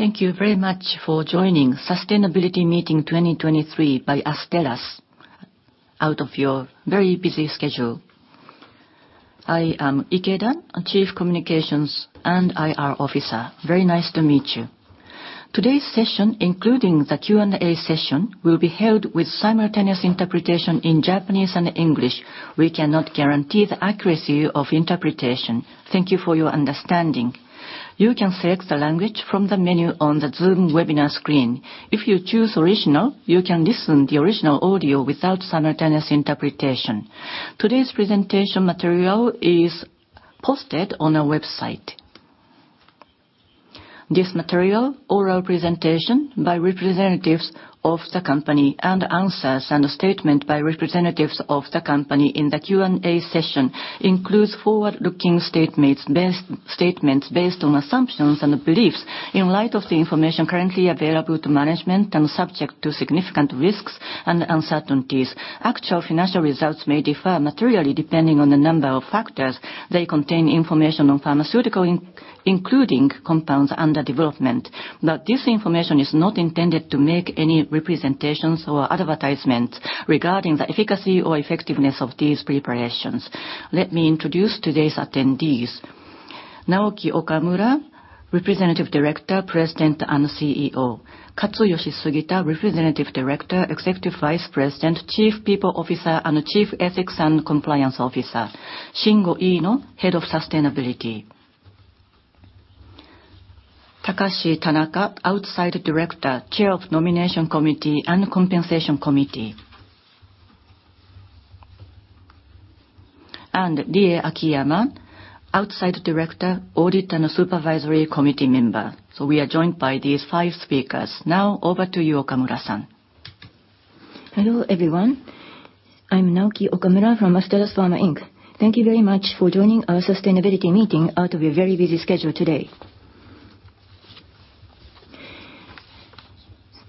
Thank you very much for joining Sustainability Meeting 2023 by Astellas out of your very busy schedule. I am Ikeda, Chief Communications and IR Officer. Very nice to meet you. Today's session, including the Q&A session, will be held with simultaneous interpretation in Japanese and English. We cannot guarantee the accuracy of interpretation. Thank you for your understanding. You can select the language from the menu on the Zoom webinar screen. If you choose Original, you can listen to the original audio without simultaneous interpretation. Today's presentation material is posted on our website. This material, oral presentation by representatives of the company, and answers and statement by representatives of the company in the Q&A session includes forward-looking statements based on assumptions and beliefs in light of the information currently available to management and subject to significant risks and uncertainties. Actual financial results may differ materially depending on the number of factors. This information is not intended to make any representations or advertisements regarding the efficacy or effectiveness of these preparations. Let me introduce today's attendees. Naoki Okamura, Representative Director, President, and CEO. Katsuyoshi Sugita, Representative Director, Executive Vice President, Chief People Officer, and Chief Ethics and Compliance Officer. Shingo Iino, Head of Sustainability. Takashi Tanaka, Outside Director, Chair of Nomination Committee and Compensation Committee. And Rie Akiyama, Outside Director, Audit and Supervisory Committee Member. We are joined by these five speakers. Over to you, Okamura-san. Hello, everyone. I'm Naoki Okamura from Astellas Pharma Inc. Thank you very much for joining our Sustainability Meeting out of your very busy schedule today.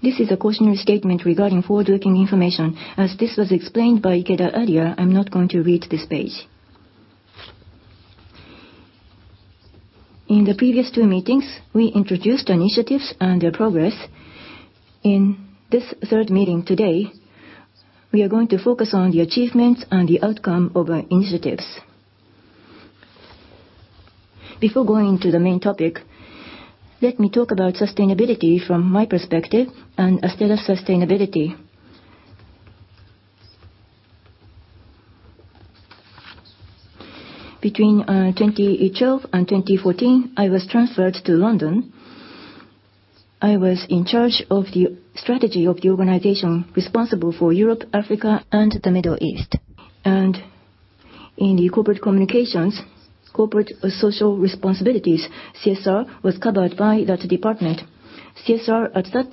This is a cautionary statement regarding forward-looking information. As this was explained by Ikeda earlier, I'm not going to read this page. In the previous two meetings, we introduced initiatives and their progress. In this third meeting today, we are going to focus on the achievements and the outcome of our initiatives. Before going to the main topic, let me talk about sustainability from my perspective and Astellas sustainability. Between 2012 and 2014, I was transferred to London. I was in charge of the strategy of the organization responsible for Europe, Africa, and the Middle East. In the corporate communications, corporate social responsibilities, CSR, was covered by that department. I thought that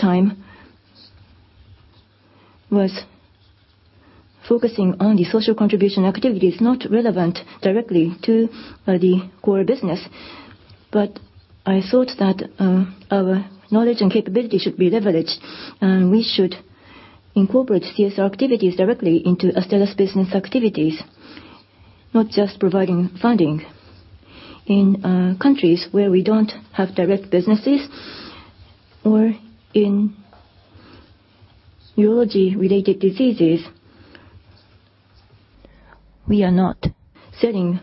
our knowledge and capability should be leveraged, and we should incorporate CSR activities directly into Astellas business activities, not just providing funding. In countries where we don't have direct businesses or in urology-related diseases, we are not selling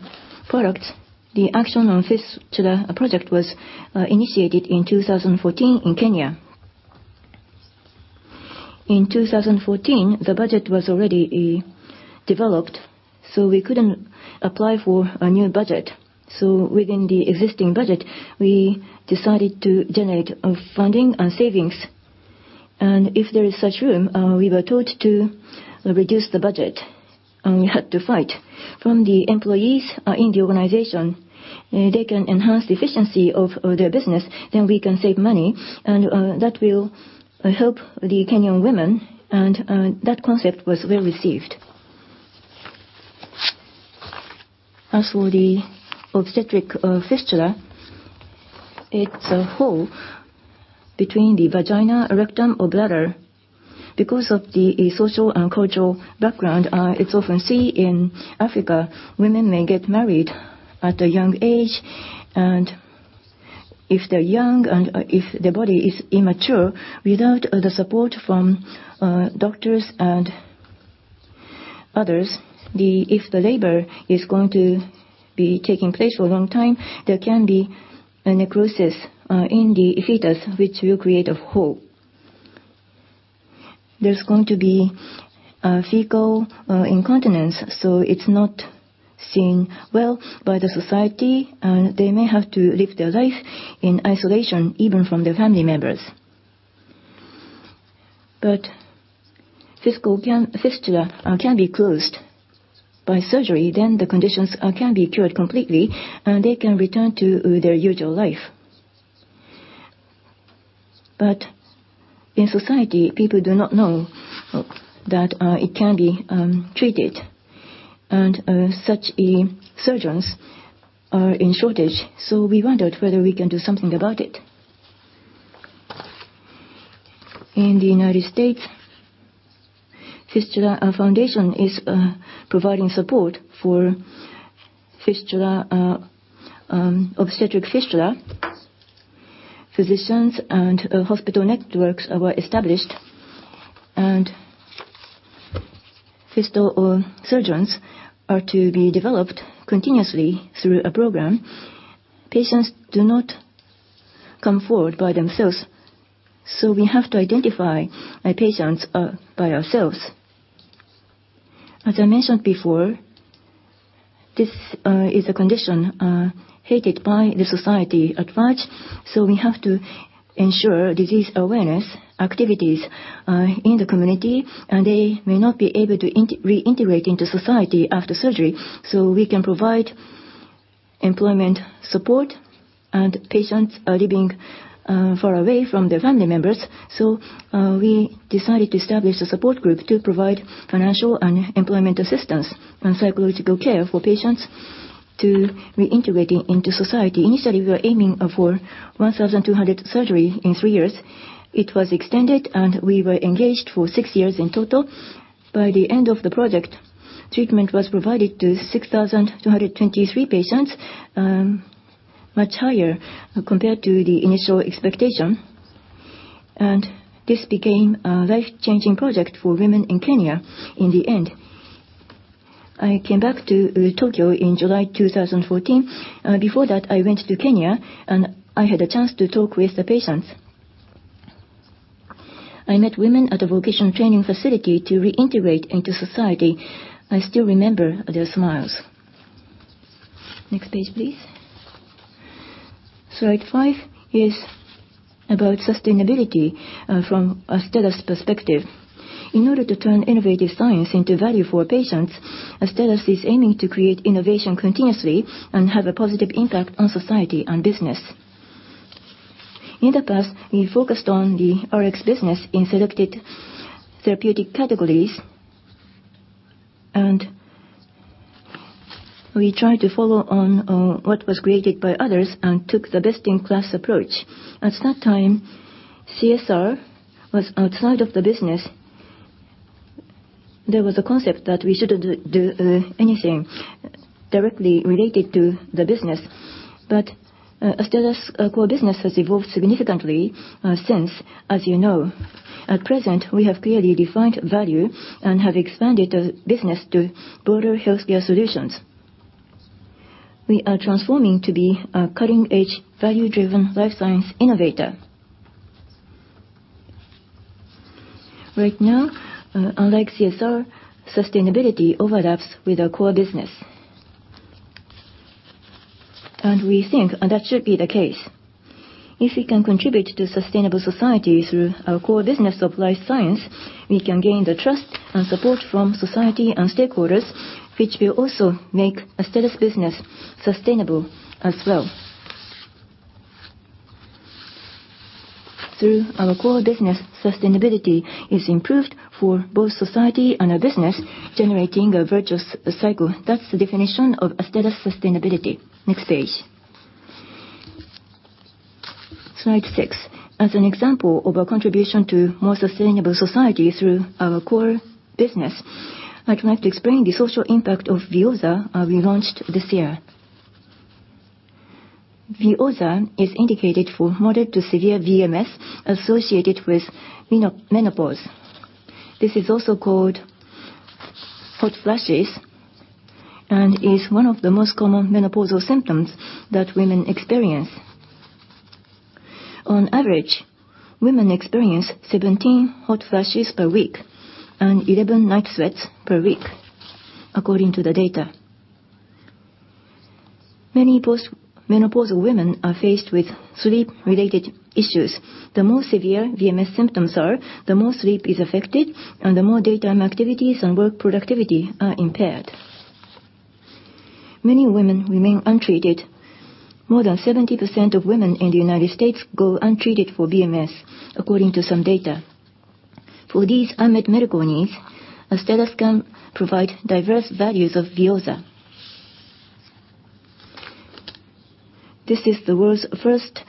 products. The action on fistula project was initiated in 2014 in Kenya. In 2014, the budget was already developed, so we couldn't apply for a new budget. Within the existing budget, we decided to generate funding and savings. If there is such room, we were told to reduce the budget, and we had to fight. From the employees in the organization, they can enhance the efficiency of their business, then we can save money, and that will help the Kenyan women. That concept was well-received. As for the obstetric fistula, it is a hole between the vagina, rectum, or bladder. Because of the social and cultural background, it is often seen in Africa. Women may get married at a young age. If they are young and if their body is immature, without the support from doctors and others, if the labor is going to be taking place for a long time, there can be a necrosis in the fetus, which will create a hole. There is going to be fecal incontinence, it is not seen well by the society. They may have to live their life in isolation, even from their family members. Fistula can be closed by surgery, the conditions can be cured completely, they can return to their usual life. In society, people do not know that it can be treated, such surgeons are in shortage, we wondered whether we can do something about it. In the U.S., Fistula Foundation is providing support for obstetric fistula. Physicians and hospital networks were established, fistula surgeons are to be developed continuously through a program. Patients do not come forward by themselves, we have to identify patients by ourselves. As I mentioned before, this is a condition hated by the society at large, we have to ensure disease awareness activities in the community. They may not be able to reintegrate into society after surgery, we can provide employment support patients are living far away from their family members. We decided to establish a support group to provide financial and employment assistance and psychological care for patients to reintegrate into society. Initially, we were aiming for 1,200 surgeries in three years. It was extended, we were engaged for six years in total. By the end of the project, treatment was provided to 6,223 patients. Much higher compared to the initial expectation. This became a life-changing project for women in Kenya in the end. I came back to Tokyo in July 2014. Before that, I went to Kenya, I had a chance to talk with the patients. I met women at a vocational training facility to reintegrate into society. I still remember their smiles. Next page, please. Slide five is about sustainability from Astellas' perspective. In order to turn innovative science into value for patients, Astellas is aiming to create innovation continuously and have a positive impact on society and business. In the past, we focused on the RX business in selected therapeutic categories, we tried to follow on what was created by others took the best-in-class approach. At that time, CSR was outside of the business. There was a concept that we shouldn't do anything directly related to the business. Astellas' core business has evolved significantly since, as you know. At present, we have clearly defined value and have expanded the business to broader healthcare solutions. We are transforming to be a cutting-edge, value-driven life science innovator. Right now, unlike CSR, sustainability overlaps with our core business, we think that should be the case. If we can contribute to sustainable society through our core business of life science, we can gain the trust and support from society and stakeholders, which will also make Astellas' business sustainable as well. Through our core business, sustainability is improved for both society and our business, generating a virtuous cycle. That's the definition of Astellas sustainability. Next page. Slide six. As an example of our contribution to a more sustainable society through our core business, I would like to explain the social impact of VEOZAH we launched this year. VEOZAH is indicated for moderate to severe VMS associated with menopause. This is also called hot flashes and is one of the most common menopausal symptoms that women experience. On average, women experience 17 hot flashes per week and 11 night sweats per week, according to the data. Many post-menopausal women are faced with sleep-related issues. The more severe VMS symptoms are, the more sleep is affected, and the more daytime activities and work productivity are impaired. Many women remain untreated. More than 70% of women in the U.S. go untreated for VMS, according to some data. For these unmet medical needs, Astellas can provide diverse values of VEOZAH. This is the world's first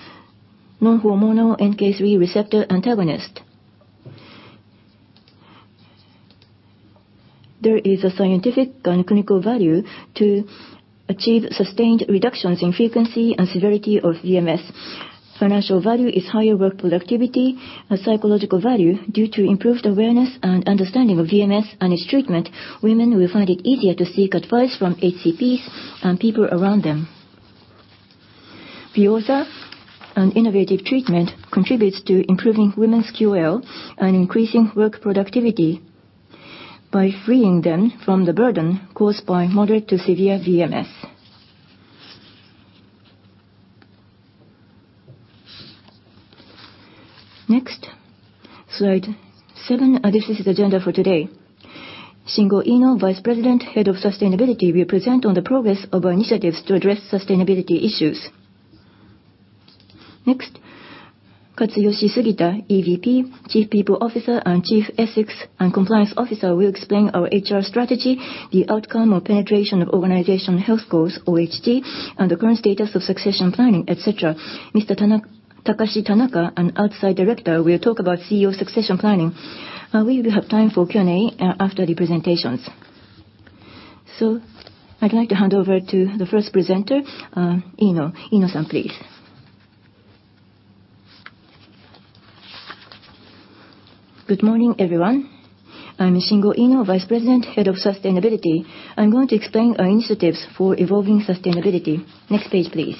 non-hormonal NK3 receptor antagonist. There is a scientific and clinical value to achieve sustained reductions in frequency and severity of VMS. Financial value is higher work productivity. A psychological value due to improved awareness and understanding of VMS and its treatment. Women will find it easier to seek advice from HCPs and people around them. VEOZAH, an innovative treatment, contributes to improving women's QOL and increasing work productivity by freeing them from the burden caused by moderate to severe VMS. Next, slide seven. This is the agenda for today. Shingo Iino, Vice President, Head of Sustainability, will present on the progress of our initiatives to address sustainability issues. Next, Katsuyoshi Sugita, EVP, Chief People Officer and Chief Ethics & Compliance Officer, will explain our HR strategy, the outcome of penetration of Organizational Health Goals, OHG, and the current status of succession planning, et cetera. Mr. Takashi Tanaka, an Outside Director, will talk about CEO succession planning. We will have time for Q&A after the presentations. I'd like to hand over to the first presenter, Iino. Iino-san, please. Good morning, everyone. I'm Shingo Iino, Vice President, Head of Sustainability. I'm going to explain our initiatives for evolving sustainability. Next page, please.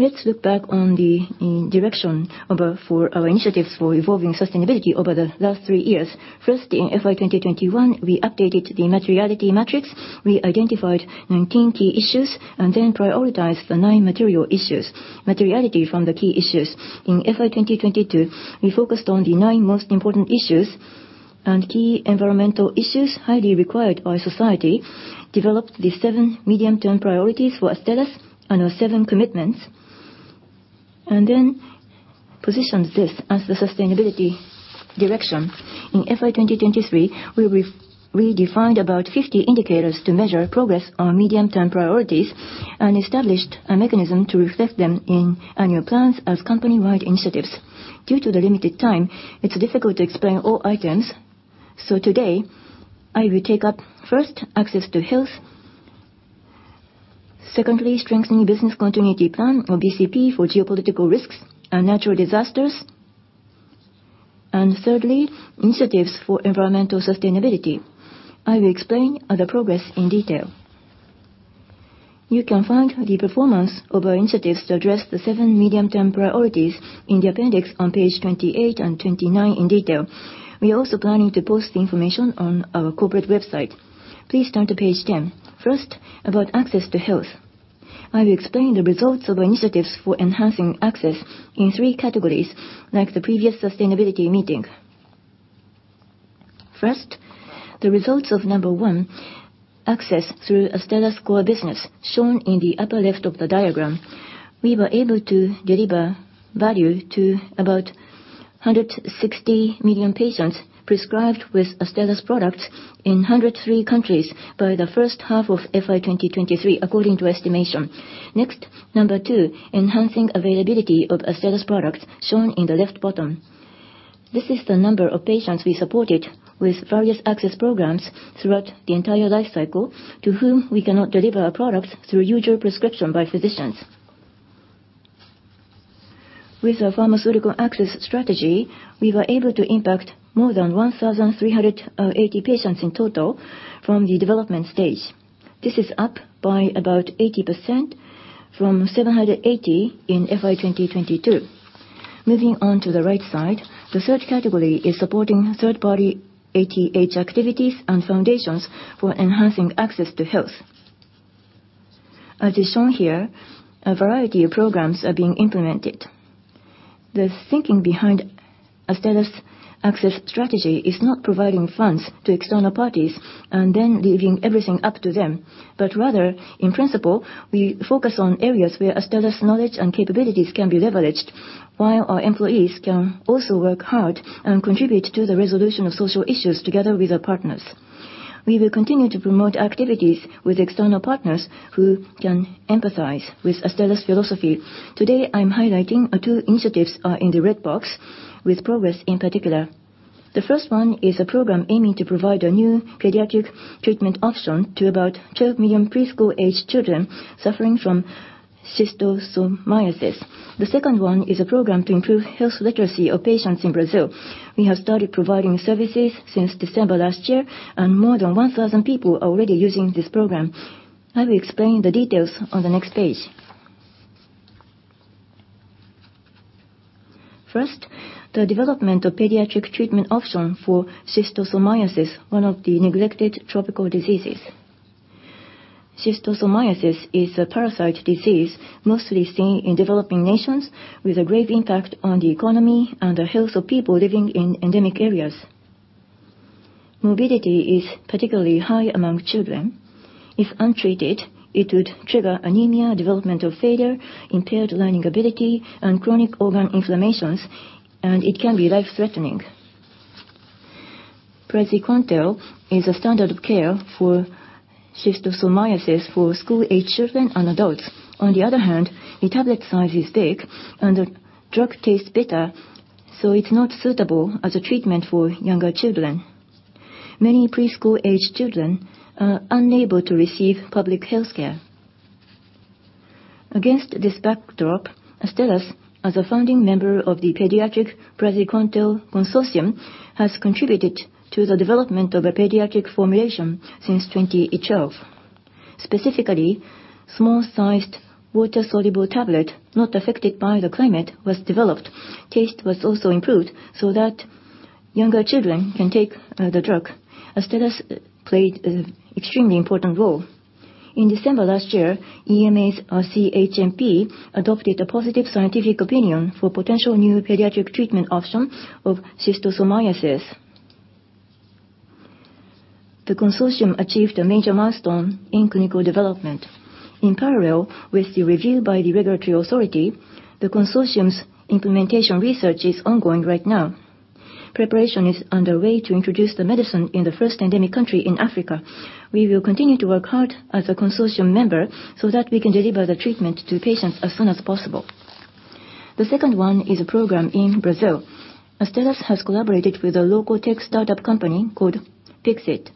Let's look back on the direction of our initiatives for evolving sustainability over the last three years. First, in FY 2021, we updated the materiality matrix. We identified 19 key issues and then prioritized the nine material issues. Materiality from the key issues. In FY 2022, we focused on the nine most important issues and key environmental issues highly required by society, developed the seven medium-term priorities for Astellas and our seven commitments, and then positioned this as the sustainability direction. In FY 2023, we redefined about 50 indicators to measure progress on medium-term priorities and established a mechanism to reflect them in annual plans as company-wide initiatives. Due to the limited time, it's difficult to explain all items. Today, I will take up first, access to health. Secondly, strengthening business continuity plan or BCP for geopolitical risks and natural disasters. Thirdly, initiatives for environmental sustainability. I will explain the progress in detail. You can find the performance of our initiatives to address the seven medium-term priorities in the appendix on page 28 and 29 in detail. We are also planning to post the information on our corporate website. Please turn to page 10. First, about access to health. I will explain the results of initiatives for enhancing access in 3 categories like the previous sustainability meeting. First, the results of number 1, access through Astellas core business, shown in the upper left of the diagram. We were able to deliver value to about 160 million patients prescribed with Astellas products in 103 countries by the first half of FY 2023, according to estimation. Next, number 2, enhancing availability of Astellas products, shown in the left bottom. This is the number of patients we supported with various access programs throughout the entire life cycle to whom we cannot deliver our products through usual prescription by physicians. With our pharmaceutical access strategy, we were able to impact more than 1,380 patients in total from the development stage. This is up by about 80% from 780 in FY 2022. Moving on to the right side. The category 3 is supporting third-party ATH activities and foundations for enhancing access to health. As is shown here, a variety of programs are being implemented. The thinking behind Astellas access strategy is not providing funds to external parties and then leaving everything up to them. Rather, in principle, we focus on areas where Astellas' knowledge and capabilities can be leveraged while our employees can also work hard and contribute to the resolution of social issues together with our partners. We will continue to promote activities with external partners who can empathize with Astellas' philosophy. Today, I'm highlighting our 2 initiatives are in the red box with progress in particular. The 1st one is a program aiming to provide a new pediatric treatment option to about 12 million preschool-aged children suffering from schistosomiasis. The 2nd one is a program to improve health literacy of patients in Brazil. We have started providing services since December last year, and more than 1,000 people are already using this program. I will explain the details on the next page. First, the development of pediatric treatment option for schistosomiasis, one of the neglected tropical diseases. Schistosomiasis is a parasite disease mostly seen in developing nations with a great impact on the economy and the health of people living in endemic areas. Morbidity is particularly high among children. If untreated, it would trigger anemia, development of failure, impaired learning ability, and chronic organ inflammations, and it can be life-threatening. praziquantel is a standard of care for schistosomiasis for school-aged children and adults. On the other hand, the tablet size is big and the drug tastes bitter, so it's not suitable as a treatment for younger children. Many preschool-aged children are unable to receive public healthcare. Against this backdrop, Astellas, as a founding member of the Pediatric Praziquantel Consortium, has contributed to the development of a pediatric formulation since 2012. Specifically, small-sized water-soluble tablet not affected by the climate was developed. Taste was also improved so that younger children can take the drug. Astellas played an extremely important role. In December last year, EMA's CHMP adopted a positive scientific opinion for potential new pediatric treatment option of schistosomiasis. The consortium achieved a major milestone in clinical development. In parallel with the review by the regulatory authority, the consortium's implementation research is ongoing right now. Preparation is underway to introduce the medicine in the 1st endemic country in Africa. We will continue to work hard as a consortium member so that we can deliver the treatment to patients as soon as possible. The second one is a program in Brazil. Astellas has collaborated with a local tech startup company called Fixit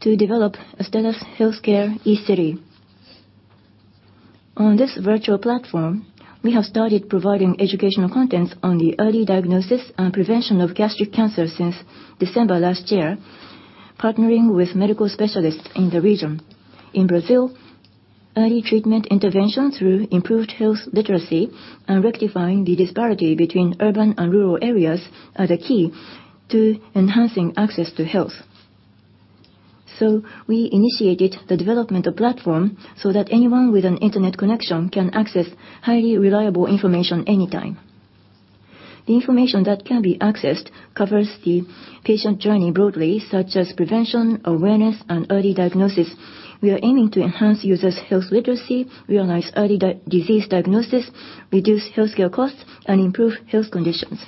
to develop Astellas Healthcare eCity. On this virtual platform, we have started providing educational content on the early diagnosis and prevention of gastric cancer since December last year, partnering with medical specialists in the region. In Brazil, early treatment intervention through improved health literacy and rectifying the disparity between urban and rural areas are the key to enhancing access to health. We initiated the development of platform so that anyone with an internet connection can access highly reliable information anytime. The information that can be accessed covers the patient journey broadly, such as prevention, awareness, and early diagnosis. We are aiming to enhance users' health literacy, realize early disease diagnosis, reduce healthcare costs, and improve health conditions.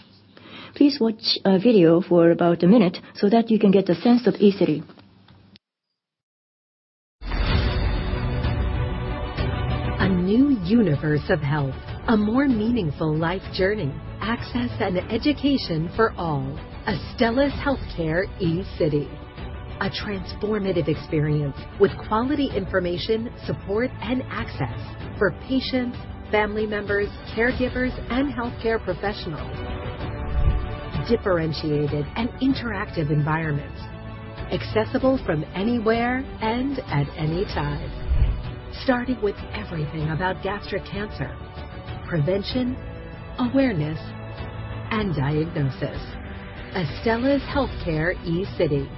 Please watch a video for about a minute so that you can get a sense of eCity. A new universe of health. A more meaningful life journey. Access and education for all. Astellas Healthcare eCity, a transformative experience with quality information, support, and access for patients, family members, caregivers, and healthcare professionals. Differentiated and interactive environments, accessible from anywhere and at any time. Starting with everything about gastric cancer, prevention, awareness, and diagnosis. Astellas Healthcare eCity.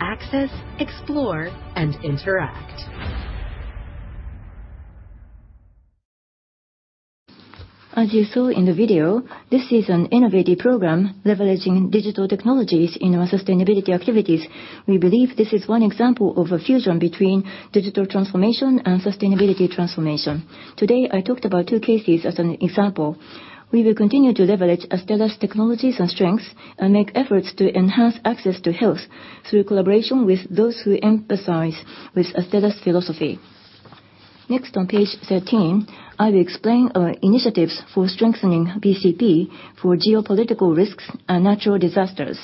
Access, explore, and interact. As you saw in the video, this is an innovative program leveraging digital technologies in our sustainability activities. We believe this is one example of a fusion between digital transformation and sustainability transformation. Today, I talked about two cases as an example. We will continue to leverage Astellas' technologies and strengths and make efforts to enhance access to health through collaboration with those who empathize with Astellas' philosophy. Next, on page 13, I will explain our initiatives for strengthening BCP for geopolitical risks and natural disasters.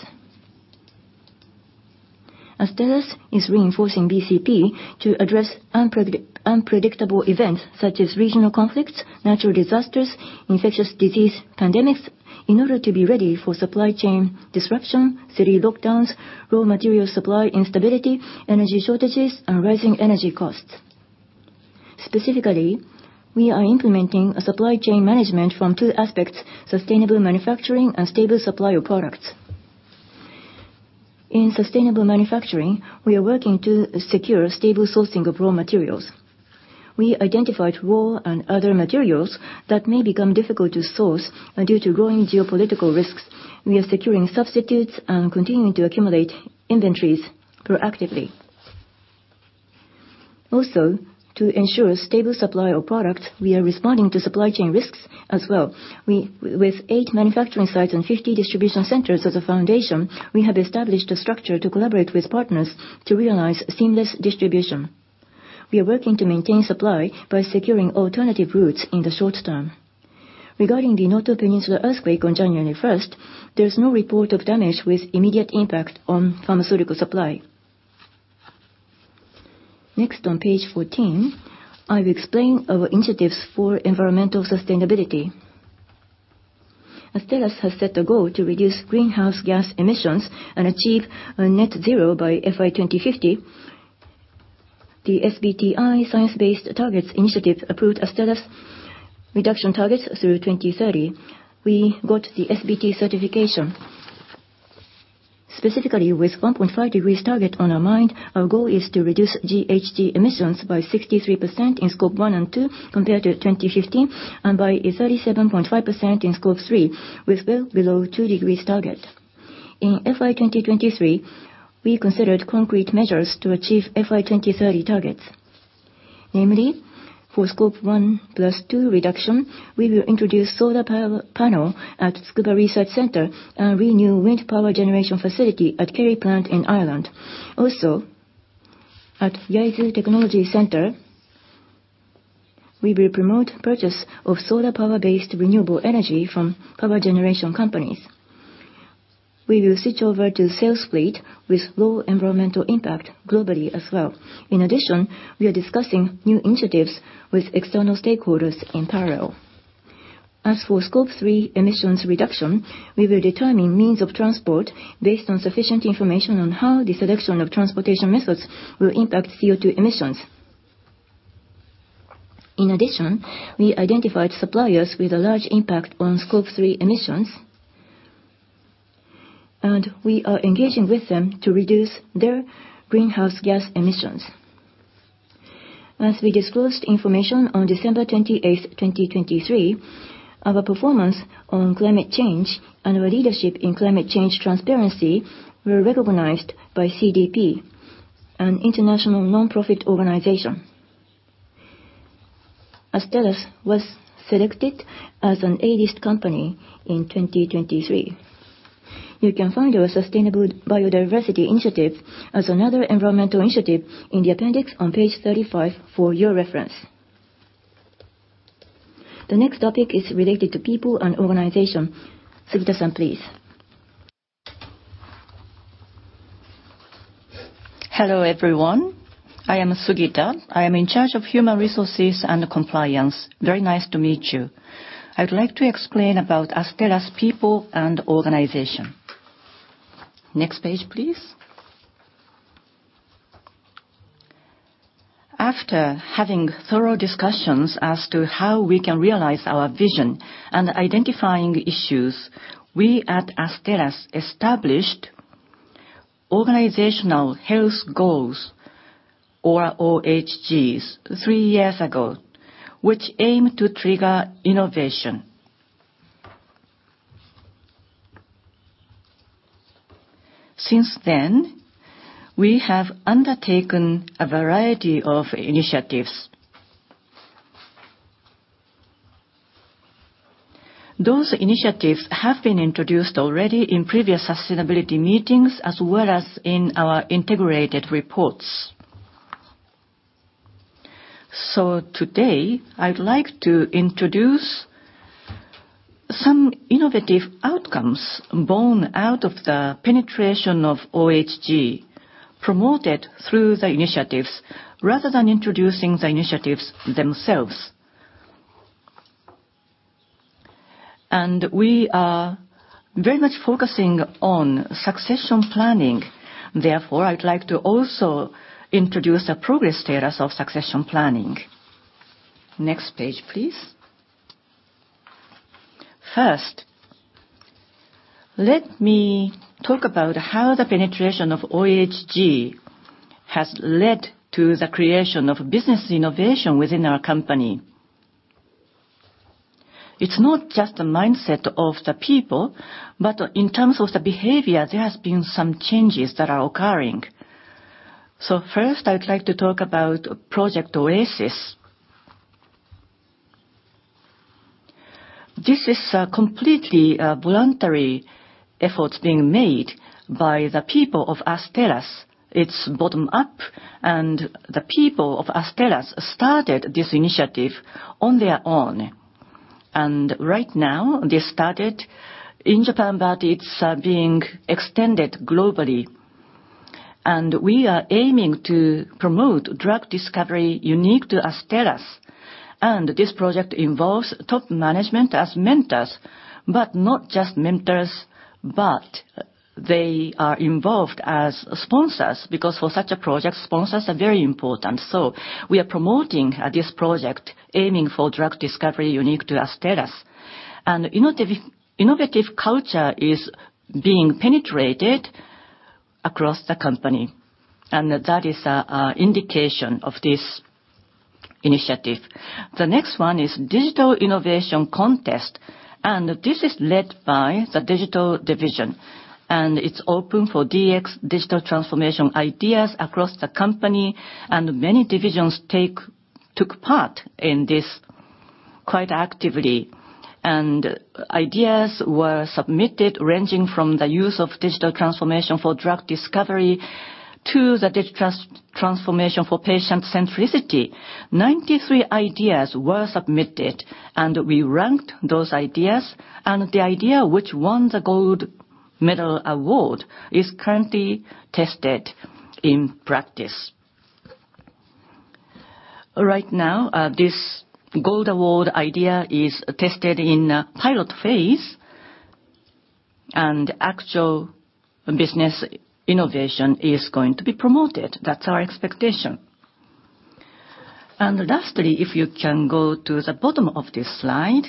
Astellas is reinforcing BCP to address unpredictable events such as regional conflicts, natural disasters, infectious disease pandemics, in order to be ready for supply chain disruption, city lockdowns, raw material supply instability, energy shortages, and rising energy costs. Specifically, we are implementing a supply chain management from two aspects, sustainable manufacturing and stable supply of products. In sustainable manufacturing, we are working to secure stable sourcing of raw materials. We identified raw and other materials that may become difficult to source due to growing geopolitical risks. We are securing substitutes and continuing to accumulate inventories proactively. Also, to ensure stable supply of products, we are responding to supply chain risks as well. With eight manufacturing sites and 50 distribution centers as a foundation, we have established a structure to collaborate with partners to realize seamless distribution. We are working to maintain supply by securing alternative routes in the short term. Regarding the Noto Peninsula earthquake on January 1st, there's no report of damage with immediate impact on pharmaceutical supply. Next, on page 14, I will explain our initiatives for environmental sustainability. Astellas has set a goal to reduce greenhouse gas emissions and achieve net zero by FY 2050. The SBTi, Science Based Targets initiative, approved Astellas' reduction targets through 2030. We got the SBT certification. Specifically, with 1.5 degrees target on our mind, our goal is to reduce GHG emissions by 63% in scope 1 and 2 compared to 2015, and by 37.5% in scope 3, with well below two degrees target. In FY 2023, we considered concrete measures to achieve FY 2030 targets. Namely, for Scope 1 plus 2 reduction, we will introduce solar panel at Tsukuba Research Center and renew wind power generation facility at Kerry Plant in Ireland. Also, at Yaizu Technology Center, we will promote purchase of solar power-based renewable energy from power generation companies. We will switch over to sales fleet with low environmental impact globally as well. In addition, we are discussing new initiatives with external stakeholders in parallel. As for Scope 3 emissions reduction, we will determine means of transport based on sufficient information on how the selection of transportation methods will impact CO2 emissions. In addition, we identified suppliers with a large impact on Scope 3 emissions, and we are engaging with them to reduce their greenhouse gas emissions. As we disclosed information on December 28th, 2023, our performance on climate change and our leadership in climate change transparency were recognized by CDP, an international nonprofit organization. Astellas was selected as an A List company in 2023. You can find our sustainable biodiversity initiative as another environmental initiative in the appendix on page 35 for your reference. The next topic is related to people and organization. Sugita-san, please. Hello, everyone. I am Sugita. I am in charge of human resources and compliance. Very nice to meet you. I'd like to explain about Astellas people and organization. Next page, please. After having thorough discussions as to how we can realize our vision and identifying issues, we at Astellas established Organizational Health Goals, or OHGs, three years ago, which aim to trigger innovation. Since then, we have undertaken a variety of initiatives. Those initiatives have been introduced already in previous sustainability meetings as well as in our integrated reports. Today, I'd like to introduce some innovative outcomes borne out of the penetration of OHG promoted through the initiatives rather than introducing the initiatives themselves. We are very much focusing on succession planning. Therefore, I'd like to also introduce the progress status of succession planning. Next page, please. First, let me talk about how the penetration of OHG has led to the creation of business innovation within our company. It's not just a mindset of the people, but in terms of the behavior, there has been some changes that are occurring. First, I'd like to talk about Project OASIS. This is a completely voluntary effort being made by the people of Astellas. It's bottom-up, the people of Astellas started this initiative on their own. Right now, they started in Japan, but it's being extended globally. We are aiming to promote drug discovery unique to Astellas. This project involves top management as mentors. Not just mentors, but they are involved as sponsors, because for such a project, sponsors are very important. We are promoting this project aiming for drug discovery unique to Astellas. Innovative culture is being penetrated across the company, and that is an indication of this initiative. The next one is Digital Innovation Contest, and this is led by the digital division. It is open for DX, digital transformation ideas across the company, and many divisions took part in this quite actively. Ideas were submitted ranging from the use of digital transformation for drug discovery to the digital transformation for patient centricity. 93 ideas were submitted, and we ranked those ideas, and the idea which won the gold medal award is currently tested in practice. Right now, this gold award idea is tested in pilot phase, and actual business innovation is going to be promoted. That's our expectation. Lastly, if you can go to the bottom of this slide.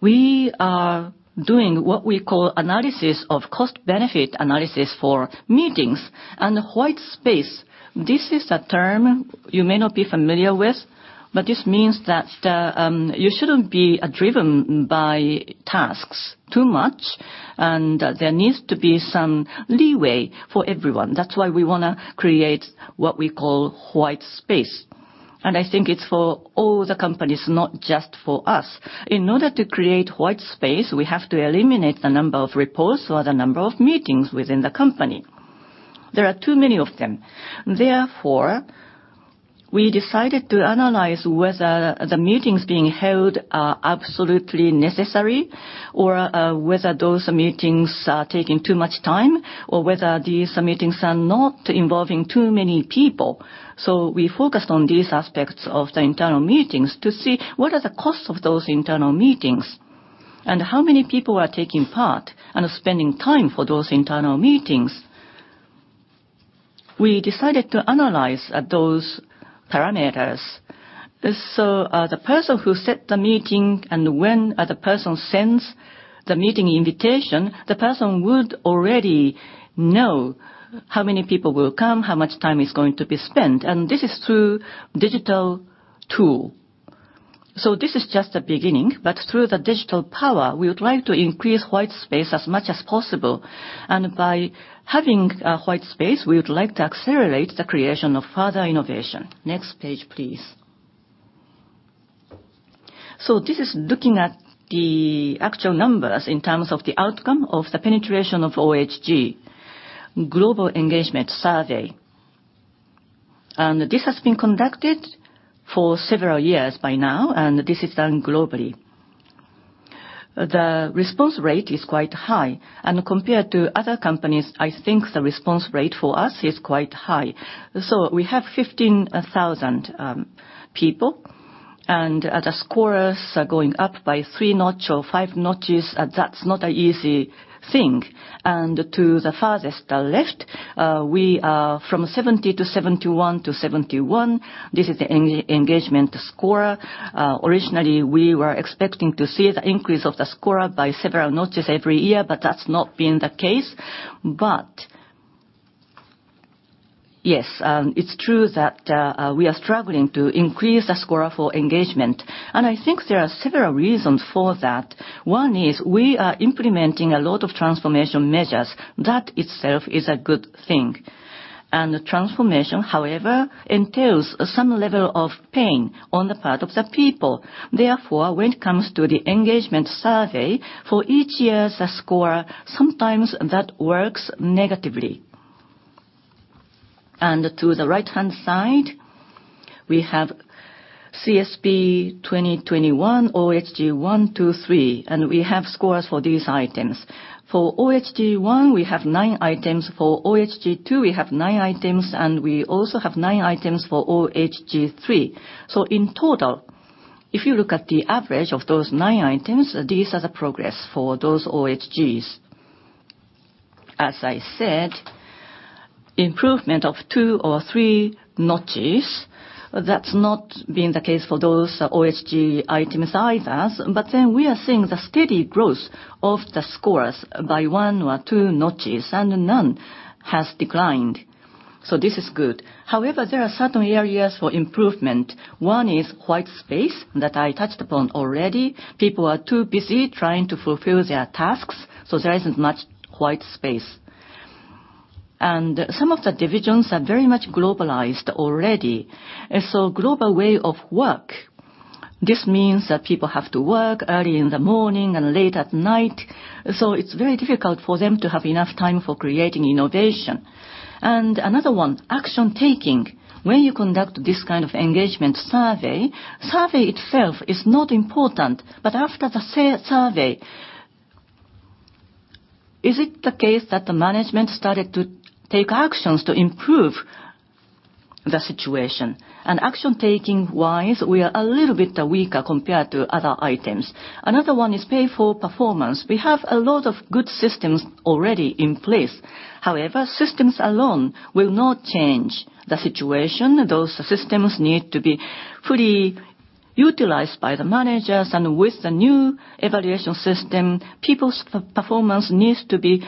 We are doing what we call analysis of cost-benefit analysis for meetings and white space. This is a term you may not be familiar with, but this means that you shouldn't be driven by tasks too much, and there needs to be some leeway for everyone. That's why we want to create what we call white space. I think it's for all the companies, not just for us. In order to create white space, we have to eliminate the number of reports or the number of meetings within the company. There are too many of them. We decided to analyze whether the meetings being held are absolutely necessary, or whether those meetings are taking too much time, or whether these meetings are not involving too many people. We focused on these aspects of the internal meetings to see what are the costs of those internal meetings, and how many people are taking part and spending time for those internal meetings. We decided to analyze those parameters. The person who set the meeting and when the person sends the meeting invitation, the person would already know how many people will come, how much time is going to be spent. This is through digital tool. This is just the beginning, but through the digital power, we would like to increase white space as much as possible. By having white space, we would like to accelerate the creation of further innovation. Next page, please. This is looking at the actual numbers in terms of the outcome of the penetration of OHG, Global Engagement Survey. This has been conducted for several years by now, and this is done globally. The response rate is quite high, and compared to other companies, I think the response rate for us is quite high. We have 15,000 people, and the scores are going up by three notch or five notches. That's not an easy thing. To the farthest left, we are from 70 to 71 to 71. This is the engagement score. Originally, we were expecting to see the increase of the score by several notches every year, but that's not been the case. Yes, it's true that we are struggling to increase the score for engagement. I think there are several reasons for that. One is we are implementing a lot of transformation measures. That itself is a good thing. The transformation, however, entails some level of pain on the part of the people. When it comes to the engagement survey, for each year, the score, sometimes that works negatively. To the right-hand side, we have CSP 2021, OHG 1, 2, 3, and we have scores for these items. For OHG 1, we have nine items. For OHG 2, we have nine items, and we also have nine items for OHG 3. In total, if you look at the average of those nine items, these are the progress for those OHGs. As I said, improvement of two or three notches, that's not been the case for those OHG items either. We are seeing the steady growth of the scores by one or two notches, and none has declined. This is good. However, there are certain areas for improvement. One is white space that I touched upon already. People are too busy trying to fulfill their tasks, so there isn't much white space. Some of the divisions are very much globalized already. Global way of work, this means that people have to work early in the morning and late at night, so it's very difficult for them to have enough time for creating innovation. Another one, action taking. When you conduct this kind of engagement survey itself is not important. After the survey, is it the case that the management started to take actions to improve the situation? Action taking-wise, we are a little bit weaker compared to other items. Another one is pay for performance. We have a lot of good systems already in place. However, systems alone will not change the situation. Those systems need to be fully utilized by the managers. With the new evaluation system, people's performance needs to be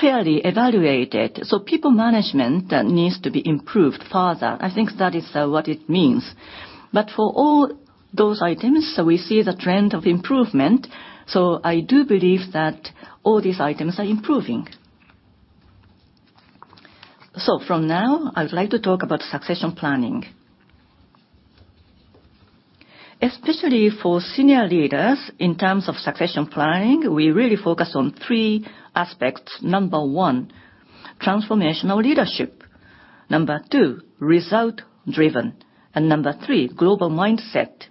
fairly evaluated. People management needs to be improved further. I think that is what it means. For all those items, we see the trend of improvement. I do believe that all these items are improving. From now, I would like to talk about succession planning. Especially for senior leaders, in terms of succession planning, we really focus on three aspects. Number 1, transformational leadership. Number 2, result driven. Number 3, global mindset.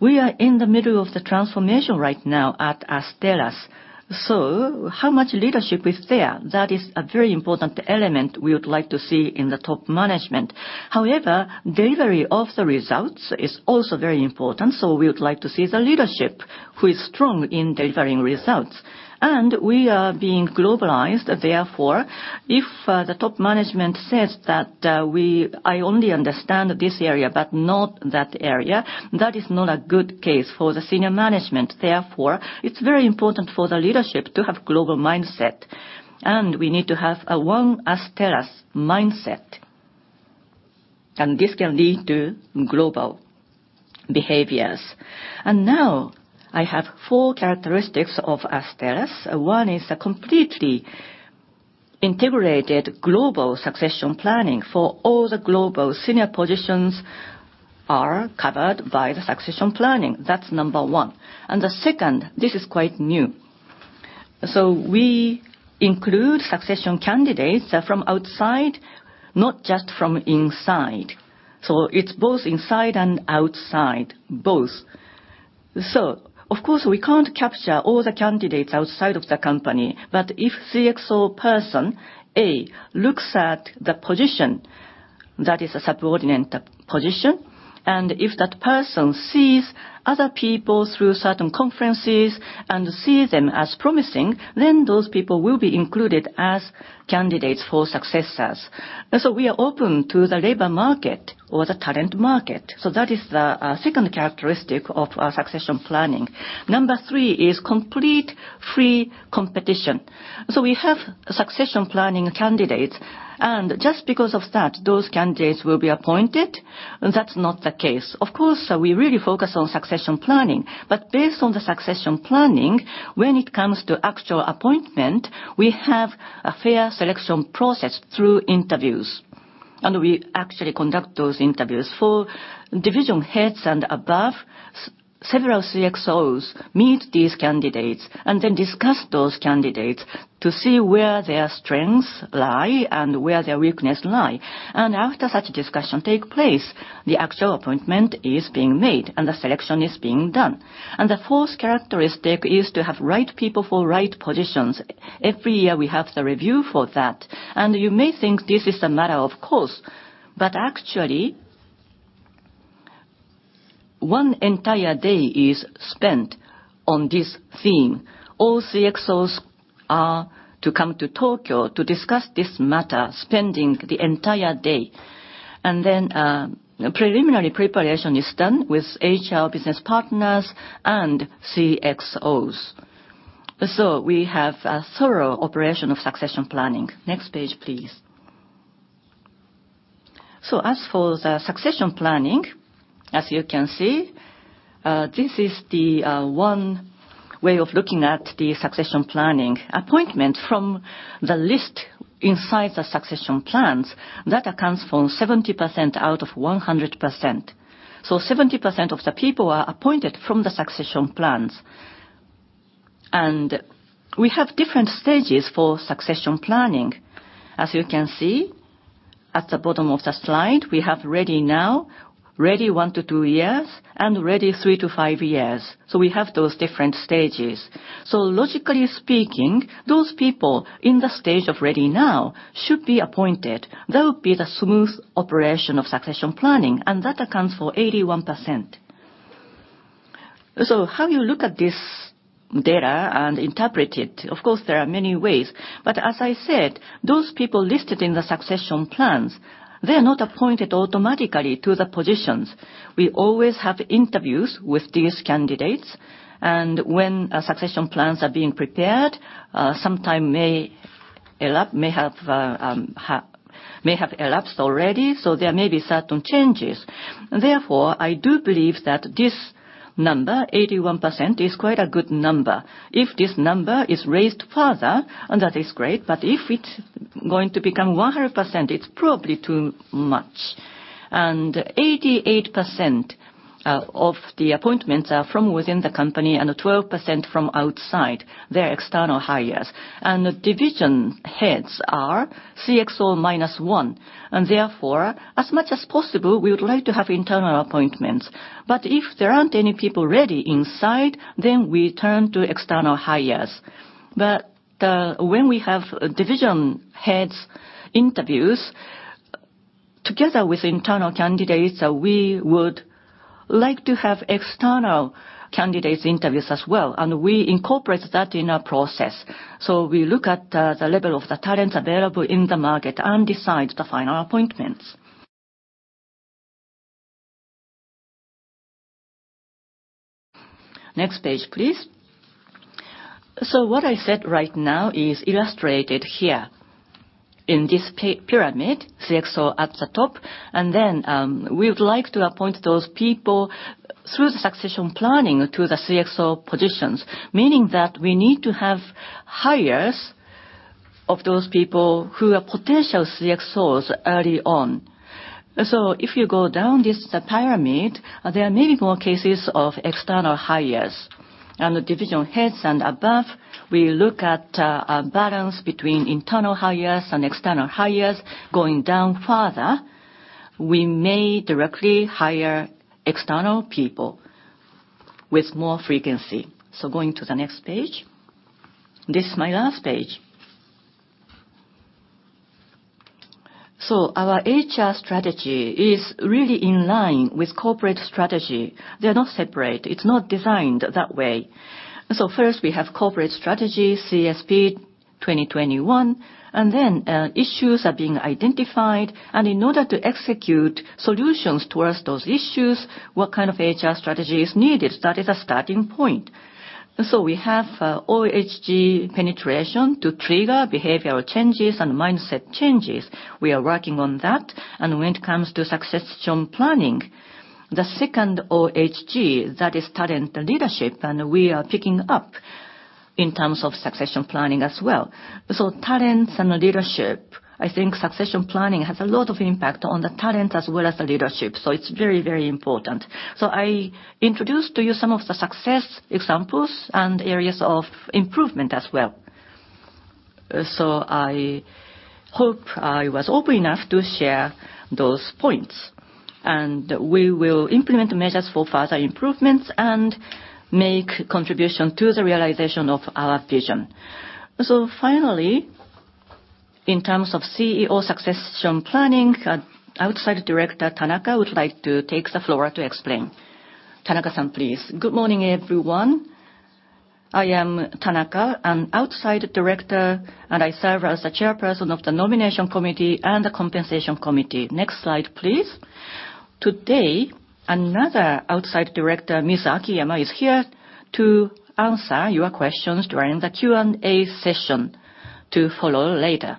We are in the middle of the transformation right now at Astellas. How much leadership is there? That is a very important element we would like to see in the top management. However, delivery of the results is also very important. We would like to see the leadership who is strong in delivering results. We are being globalized. Therefore, if the top management says that, "I only understand this area, but not that area," that is not a good case for the senior management. Therefore, it's very important for the leadership to have global mindset, we need to have a one Astellas mindset, and this can lead to global behaviors. Now I have four characteristics of Astellas. One is a completely integrated global succession planning, for all the global senior positions are covered by the succession planning. That's number 1. The second, this is quite new. We include succession candidates from outside, not just from inside. It's both inside and outside, both. Of course, we can't capture all the candidates outside of the company. If CXO person, A, looks at the position that is a subordinate position, and if that person sees other people through certain conferences and sees them as promising, then those people will be included as candidates for successors. We are open to the labor market or the talent market. That is the second characteristic of our succession planning. Number 3 is complete free competition. We have succession planning candidates, and just because of that, those candidates will be appointed. That's not the case. Of course, we really focus on succession planning. Based on the succession planning, when it comes to actual appointment, we have a fair selection process through interviews. We actually conduct those interviews for division heads and above. Several CxOs meet these candidates and then discuss those candidates to see where their strengths lie and where their weaknesses lie. After such a discussion takes place, the actual appointment is being made, and the selection is being done. The fourth characteristic is to have right people for right positions. Every year we have the review for that. You may think this is a matter of course, but actually, one entire day is spent on this theme. All CxOs are to come to Tokyo to discuss this matter, spending the entire day. Then, preliminary preparation is done with HR business partners and CxOs. We have a thorough operation of succession planning. Next page, please. As for the succession planning, as you can see, this is the one way of looking at the succession planning appointment from the list inside the succession plans. That accounts for 70% out of 100%. 70% of the people are appointed from the succession plans. We have different stages for succession planning. As you can see at the bottom of the slide, we have Ready Now, Ready 1 to 2 Years, and Ready 3 to 5 Years. We have those different stages. Logically speaking, those people in the stage of Ready Now should be appointed. That would be the smooth operation of succession planning, and that accounts for 81%. How you look at this data and interpret it, of course, there are many ways. As I said, those people listed in the succession plans, they are not appointed automatically to the positions. We always have interviews with these candidates, and when succession plans are being prepared, some time may have elapsed already, so there may be certain changes. Therefore, I do believe that this number, 81%, is quite a good number. If this number is raised further, that is great, but if it's going to become 100%, it's probably too much. 88% of the appointments are from within the company, and 12% from outside. They are external hires. The division heads are CxO minus one, therefore, as much as possible, we would like to have internal appointments. If there aren't any people ready inside, then we turn to external hires. When we have division heads interviews, together with internal candidates, we would like to have external candidates interviews as well, and we incorporate that in our process. We look at the level of the talents available in the market and decide the final appointments. Next page, please. What I said right now is illustrated here in this pyramid, CxO at the top, then, we would like to appoint those people through the succession planning to the CxO positions. Meaning that we need to have hires of those people who are potential CxOs early on. If you go down this pyramid, there are many more cases of external hires. The division heads and above, we look at a balance between internal hires and external hires. Going down further, we may directly hire external people with more frequency. Going to the next page. This is my last page. Our HR strategy is really in line with corporate strategy. They are not separate. It's not designed that way. First, we have corporate strategy, CSP 2021, and then issues are being identified, and in order to execute solutions towards those issues, what kind of HR strategy is needed? That is a starting point. We have OHG penetration to trigger behavioral changes and mindset changes. We are working on that. When it comes to succession planning, the second OHG, that is talent leadership, and we are picking up in terms of succession planning as well. Talents and leadership, I think succession planning has a lot of impact on the talent as well as the leadership. It's very, very important. I introduced to you some of the success examples and areas of improvement as well. I hope I was open enough to share those points. We will implement measures for further improvements and make contribution to the realization of our vision. Finally, in terms of CEO succession planning, Outside Director Tanaka would like to take the floor to explain. Tanaka-san, please. Good morning, everyone. I am Tanaka, an outside director, and I serve as the chairperson of the Nomination Committee and the Compensation Committee. Next slide, please. Today, another outside director, Ms. Akiyama, is here to answer your questions during the Q&A session to follow later.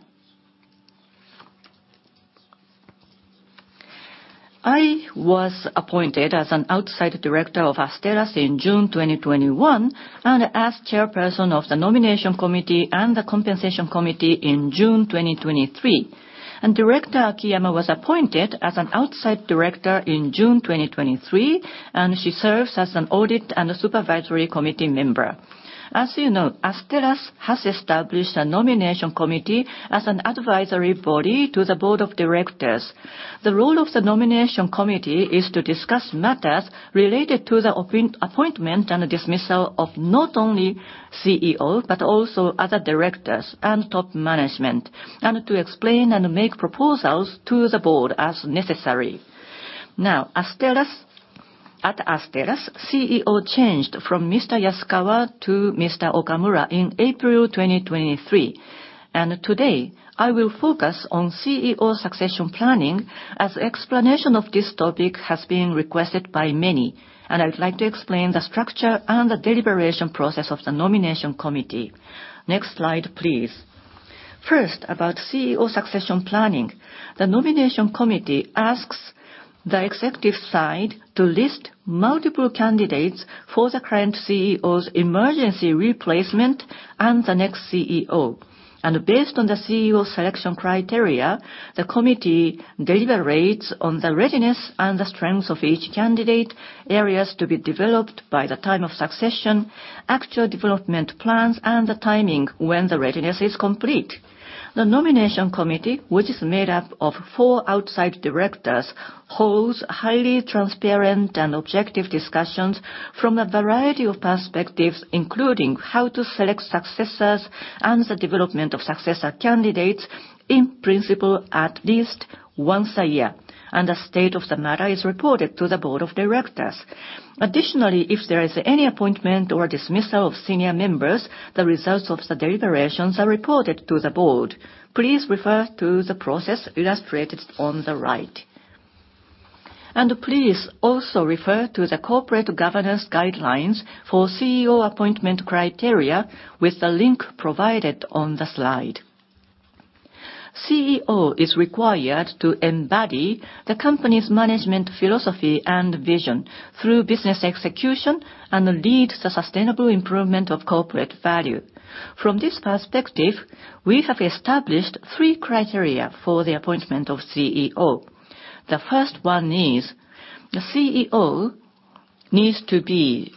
I was appointed as an outside director of Astellas in June 2021, and as chairperson of the Nomination Committee and the Compensation Committee in June 2023. Director Akiyama was appointed as an outside director in June 2023, and she serves as an Audit and Supervisory Committee Member. As you know, Astellas has established a Nomination Committee as an advisory body to the Board of Directors. The role of the Nomination Committee is to discuss matters related to the appointment and dismissal of not only CEO, but also other directors and top management, and to explain and make proposals to the board as necessary. At Astellas, CEO changed from Mr. Yasukawa to Mr. Okamura in April 2023. Today, I will focus on CEO succession planning, as explanation of this topic has been requested by many, and I would like to explain the structure and the deliberation process of the Nomination Committee. Next slide, please. First, about CEO succession planning. The Nomination Committee asks the executive side to list multiple candidates for the current CEO's emergency replacement and the next CEO. Based on the CEO selection criteria, the committee deliberates on the readiness and the strengths of each candidate, areas to be developed by the time of succession, actual development plans, and the timing when the readiness is complete. The nomination committee, which is made up of 4 outside directors, holds highly transparent and objective discussions from a variety of perspectives, including how to select successors and the development of successor candidates, in principle at least once a year, and the state of the matter is reported to the board of directors. Additionally, if there is any appointment or dismissal of senior members, the results of the deliberations are reported to the board. Please refer to the process illustrated on the right. Please also refer to the corporate governance guidelines for CEO appointment criteria with the link provided on the slide. CEO is required to embody the company's management philosophy and vision through business execution and lead the sustainable improvement of corporate value. From this perspective, we have established 3 criteria for the appointment of CEO. The first one is, the CEO needs to be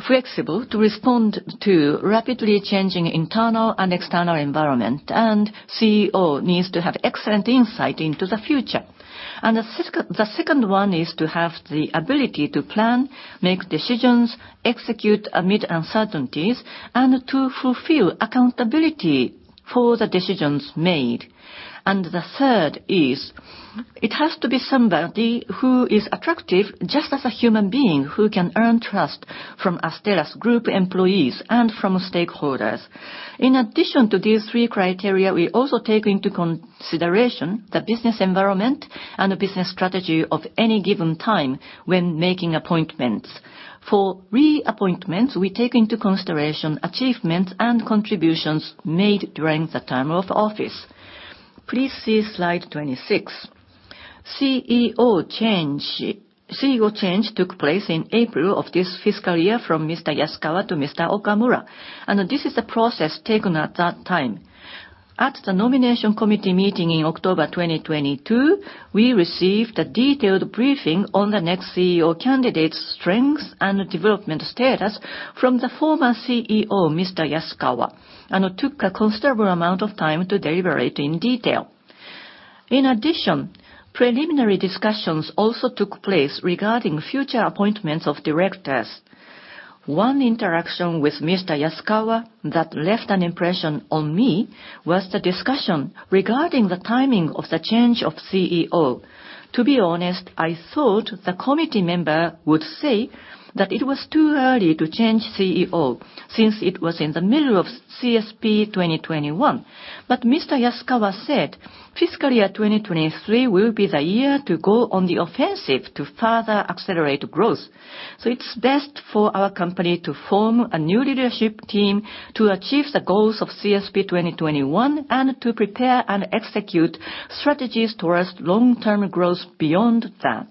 flexible to respond to rapidly changing internal and external environment. CEO needs to have excellent insight into the future. The second one is to have the ability to plan, make decisions, execute amid uncertainties, and to fulfill accountability for the decisions made. The third is, it has to be somebody who is attractive just as a human being, who can earn trust from Astellas Group employees and from stakeholders. In addition to these 3 criteria, we also take into consideration the business environment and the business strategy of any given time when making appointments. For re-appointments, we take into consideration achievements and contributions made during the term of office. Please see slide 26. CEO change took place in April of this fiscal year from Mr. Yasukawa to Mr. Okamura. This is the process taken at that time. At the nomination committee meeting in October 2022, we received a detailed briefing on the next CEO candidate's strengths and development status from the former CEO, Mr. Yasukawa, and took a considerable amount of time to deliberate in detail. In addition, preliminary discussions also took place regarding future appointments of directors. One interaction with Mr. Yasukawa that left an impression on me was the discussion regarding the timing of the change of CEO. To be honest, I thought the committee member would say that it was too early to change CEO since it was in the middle of CSP 2021. Mr. Yasukawa said fiscal year 2023 will be the year to go on the offensive to further accelerate growth. It's best for our company to form a new leadership team to achieve the goals of CSP 2021 and to prepare and execute strategies towards long-term growth beyond that.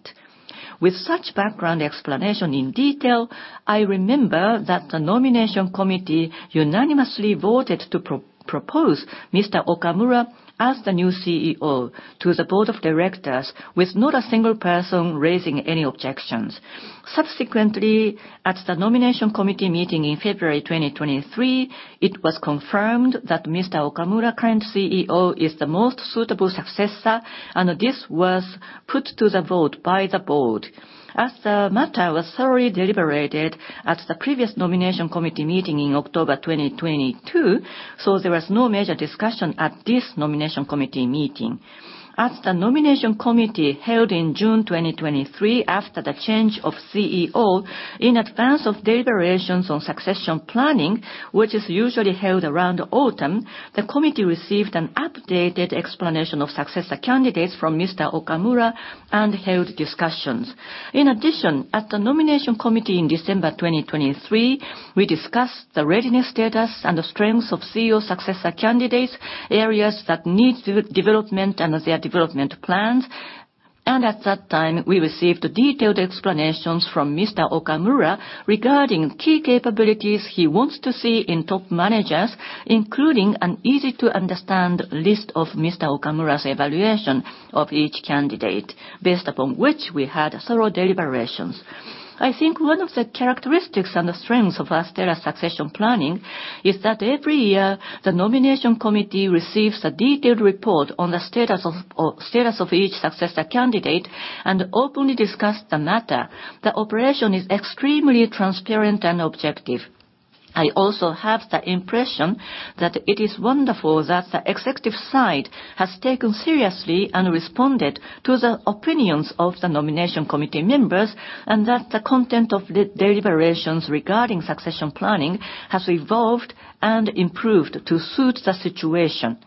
With such background explanation in detail, I remember that the nomination committee unanimously voted to propose Mr. Okamura as the new CEO to the board of directors, with not a single person raising any objections. Subsequently, at the nomination committee meeting in February 2023, it was confirmed that Mr. Okamura, current CEO, is the most suitable successor. This was put to the vote by the board. As the matter was thoroughly deliberated at the previous nomination committee meeting in October 2022, there was no major discussion at this nomination committee meeting. At the nomination committee held in June 2023, after the change of CEO, in advance of deliberations on succession planning, which is usually held around autumn, the committee received an updated explanation of successor candidates from Mr. Okamura and held discussions. In addition, at the nomination committee in December 2023, we discussed the readiness status and the strengths of CEO successor candidates, areas that need development and their development plans. At that time, we received detailed explanations from Mr. Okamura regarding key capabilities he wants to see in top managers, including an easy-to-understand list of Mr. Okamura's evaluation of each candidate, based upon which we had thorough deliberations. I think one of the characteristics and the strengths of Astellas' succession planning is that every year, the nomination committee receives a detailed report on the status of each successor candidate and openly discuss the matter. The operation is extremely transparent and objective. I also have the impression that it is wonderful that the executive side has taken seriously and responded to the opinions of the nomination committee members, and that the content of the deliberations regarding succession planning has evolved and improved to suit the situation.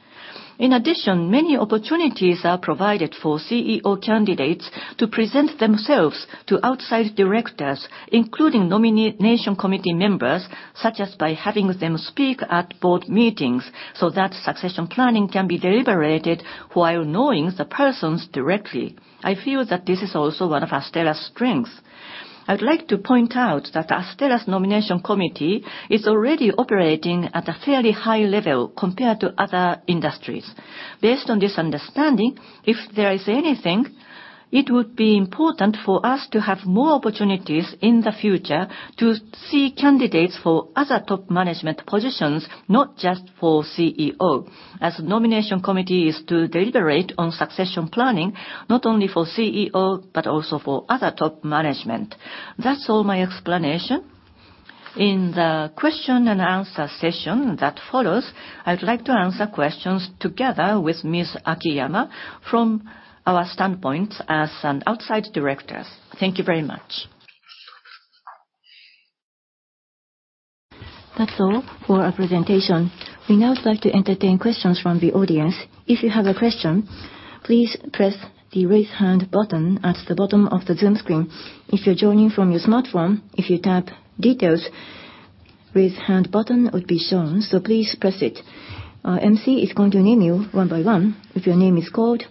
In addition, many opportunities are provided for CEO candidates to present themselves to outside directors, including nomination committee members, such as by having them speak at board meetings so that succession planning can be deliberated while knowing the persons directly. I feel that this is also one of Astellas' strengths. I'd like to point out that Astellas' nomination committee is already operating at a fairly high level compared to other industries. Based on this understanding, if there is anything, it would be important for us to have more opportunities in the future to see candidates for other top management positions, not just for CEO. As Nomination Committee is to deliberate on succession planning not only for CEO but also for other top management. That's all my explanation. In the question and answer session that follows, I'd like to answer questions together with Ms. Akiyama from our standpoint as outside directors. Thank you very much. That's all for our presentation. We now like to entertain questions from the audience. If you have a question, please press the Raise Hand button at the bottom of the Zoom screen. If you're joining from your smartphone, if you tap Details, the Raise Hand button would be shown, so please press it. Our MC is going to name you one by one. If your name is called,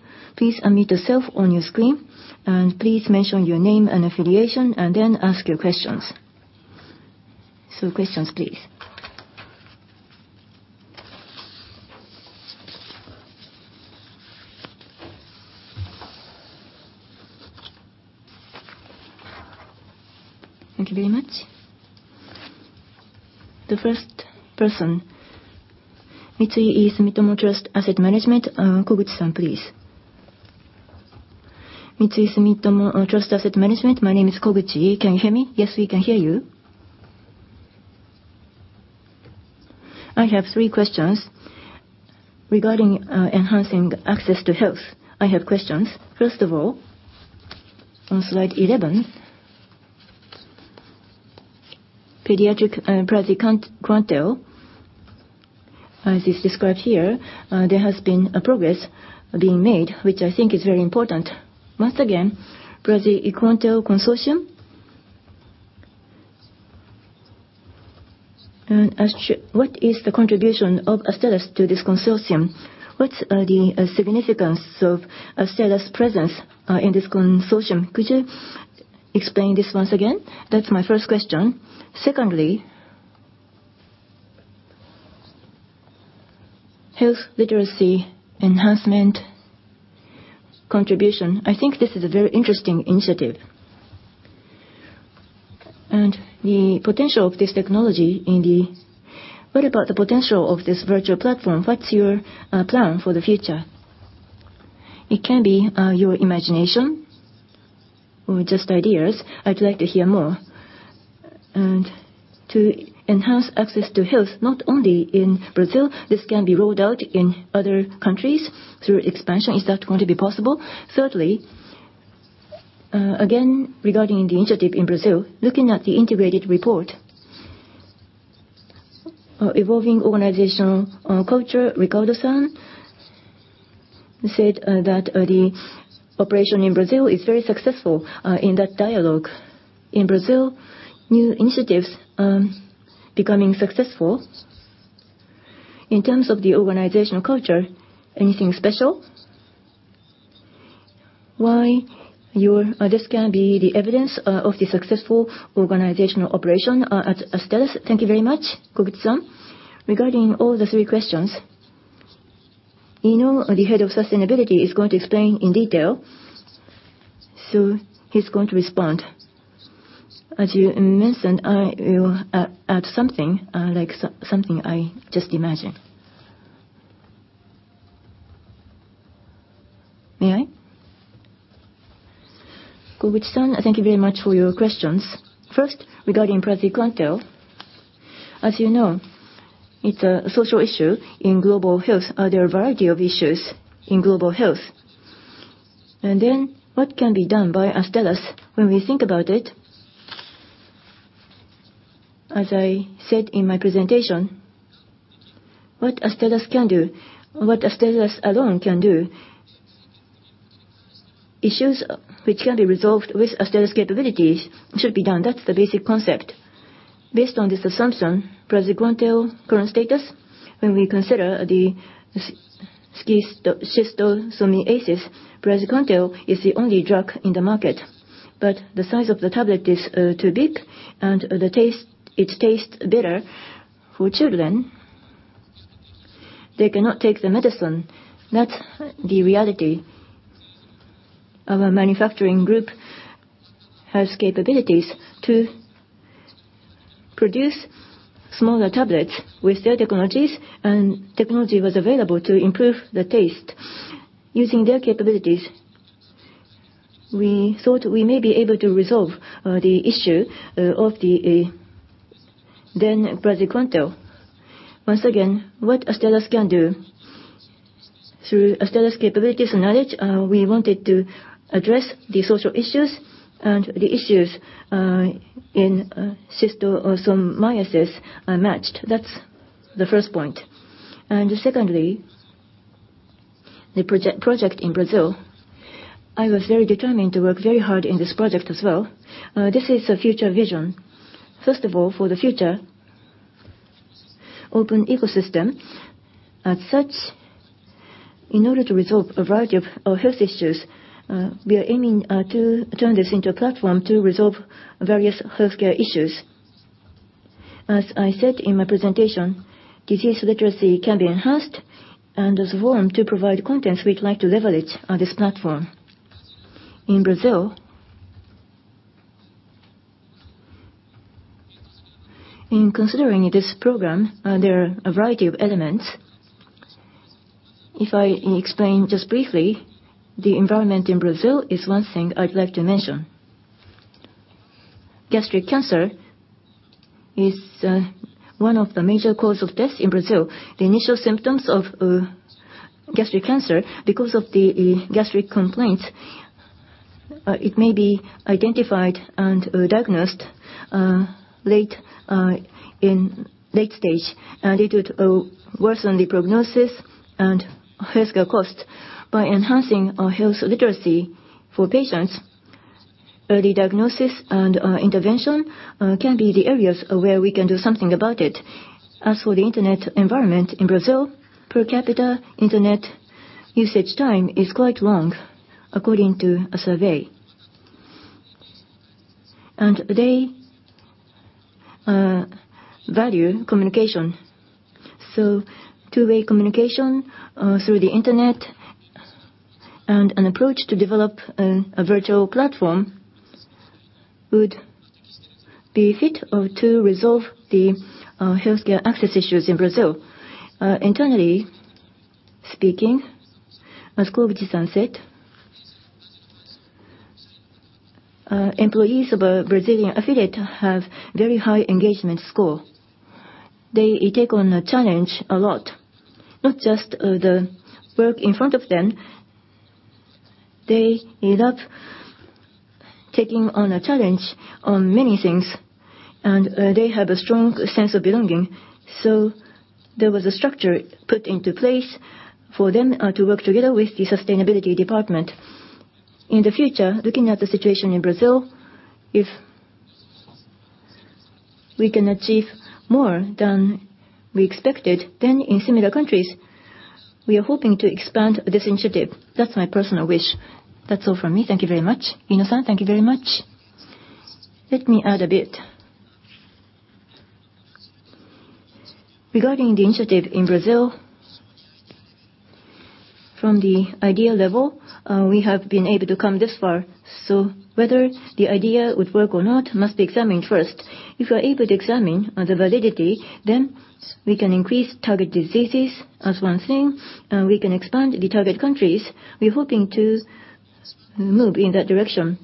please unmute yourself on your screen and please mention your name and affiliation, and then ask your questions. Questions, please. Thank you very much. The first person, Sumitomo Mitsui Trust Asset Management, Koguchi-san, please. Sumitomo Mitsui Trust Asset Management, my name is Koguchi. Can you hear me? Yes, we can hear you. I have three questions. Regarding enhancing access to health, I have questions. First of all, on slide 11, Pediatric praziquantel, as is described here, there has been a progress being made, which I think is very important. Once again, Praziquantel Consortium, what is the contribution of Astellas to this consortium? What's the significance of Astellas' presence in this consortium? Could you explain this once again? That's my first question. Secondly, health literacy enhancement contribution. I think this is a very interesting initiative. What about the potential of this virtual platform? What's your plan for the future? It can be your imagination or just ideas. I'd like to hear more. To enhance access to health, not only in Brazil, this can be rolled out in other countries through expansion. Is that going to be possible? Thirdly, again, regarding the initiative in Brazil, looking at the integrated report, evolving organizational culture, Ricardo-san said that the operation in Brazil is very successful in that dialogue. In Brazil, new initiatives are becoming successful. In terms of the organizational culture, anything special? Why this can be the evidence of the successful organizational operation at Astellas? Thank you very much, Koguchi-san. Regarding all the three questions, Inoue, the Head of Sustainability, is going to explain in detail. He's going to respond. As you mentioned, I will add something, like something I just imagined. May I? Koguchi-san, thank you very much for your questions. First, regarding praziquantel, as you know, it's a social issue in global health. There are a variety of issues in global health. Then what can be done by Astellas? When we think about it, as I said in my presentation, what Astellas can do, what Astellas alone can do, issues which can be resolved with Astellas' capabilities should be done. That's the basic concept. Based on this assumption, praziquantel current status, when we consider the schistosomiasis, praziquantel is the only drug in the market. The size of the tablet is too big and it tastes bitter for children. They cannot take the medicine. That's the reality. Our manufacturing group has capabilities to produce smaller tablets with their technologies, and technology was available to improve the taste. Using their capabilities, we thought we may be able to resolve the issue of then praziquantel. Once again, what Astellas can do. Through Astellas capabilities and knowledge, we wanted to address the social issues and the issues in schistosomiasis are matched. That's the first point. Secondly, the project in Brazil, I was very determined to work very hard in this project as well. This is a future vision. First of all, for the future, open ecosystem. As such, in order to resolve a variety of health issues, we are aiming to turn this into a platform to resolve various healthcare issues. As I said in my presentation, disease literacy can be enhanced and as well, to provide contents we'd like to leverage on this platform. In Brazil, in considering this program, there are a variety of elements. If I explain just briefly, the environment in Brazil is one thing I'd like to mention. Gastric cancer is one of the major cause of death in Brazil. The initial symptoms of gastric cancer, because of the gastric complaints, it may be identified and diagnosed in late stage, and it would worsen the prognosis and healthcare cost. By enhancing health literacy for patients, early diagnosis and intervention can be the areas where we can do something about it. As for the internet environment in Brazil, per capita internet usage time is quite long, according to a survey. They value communication. Two-way communication through the internet and an approach to develop a virtual platform would be fit to resolve the healthcare access issues in Brazil. Internally speaking, as Koguchi-san said, employees of a Brazilian affiliate have very high engagement score. They take on a challenge a lot, not just the work in front of them. They end up taking on a challenge on many things, and they have a strong sense of belonging. There was a structure put into place for them to work together with the sustainability department. In the future, looking at the situation in Brazil, if we can achieve more than we expected, in similar countries, we are hoping to expand this initiative. That's my personal wish. That's all from me. Thank you very much. Iino-san, thank you very much. Let me add a bit. Regarding the initiative in Brazil, from the idea level, we have been able to come this far. Whether the idea would work or not must be examined first. If we are able to examine the validity, we can increase target diseases as one thing, we can expand the target countries. We're hoping to move in that direction.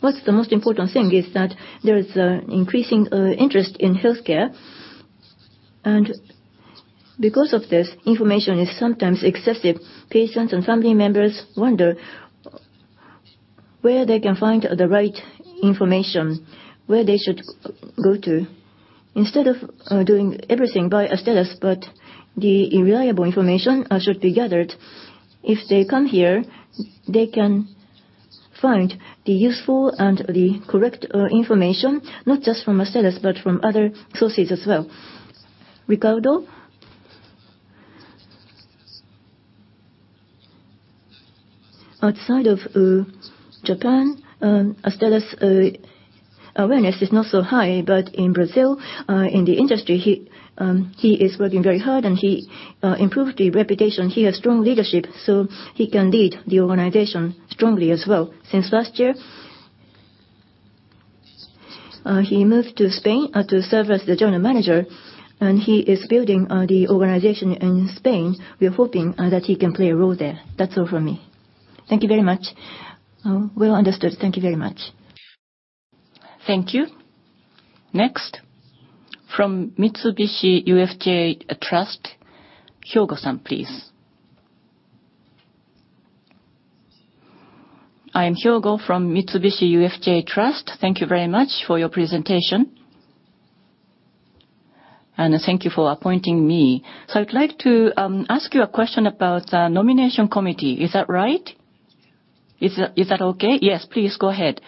What's the most important thing is that there is increasing interest in healthcare, because of this, information is sometimes excessive. Patients and family members wonder where they can find the right information, where they should go to. Instead of doing everything by Astellas, the reliable information should be gathered. If they come here, they can find the useful and the correct information, not just from Astellas, but from other sources as well. Ricardo, outside of Japan, Astellas awareness is not so high. In Brazil, in the industry, he is working very hard, and he improved the reputation. He has strong leadership, so he can lead the organization strongly as well. Since last year, he moved to Spain to serve as the general manager, and he is building the organization in Spain. We are hoping that he can play a role there. That's all from me. Thank you very much. Well understood. Thank you very much. Thank you. From Mitsubishi UFJ Trust, Hyogo-san, please. I am Hyogo from Mitsubishi UFJ Trust. Thank you very much for your presentation. Thank you for appointing me. I'd like to ask you a question about the nomination committee. Is that right? Is that okay? Yes, please go ahead.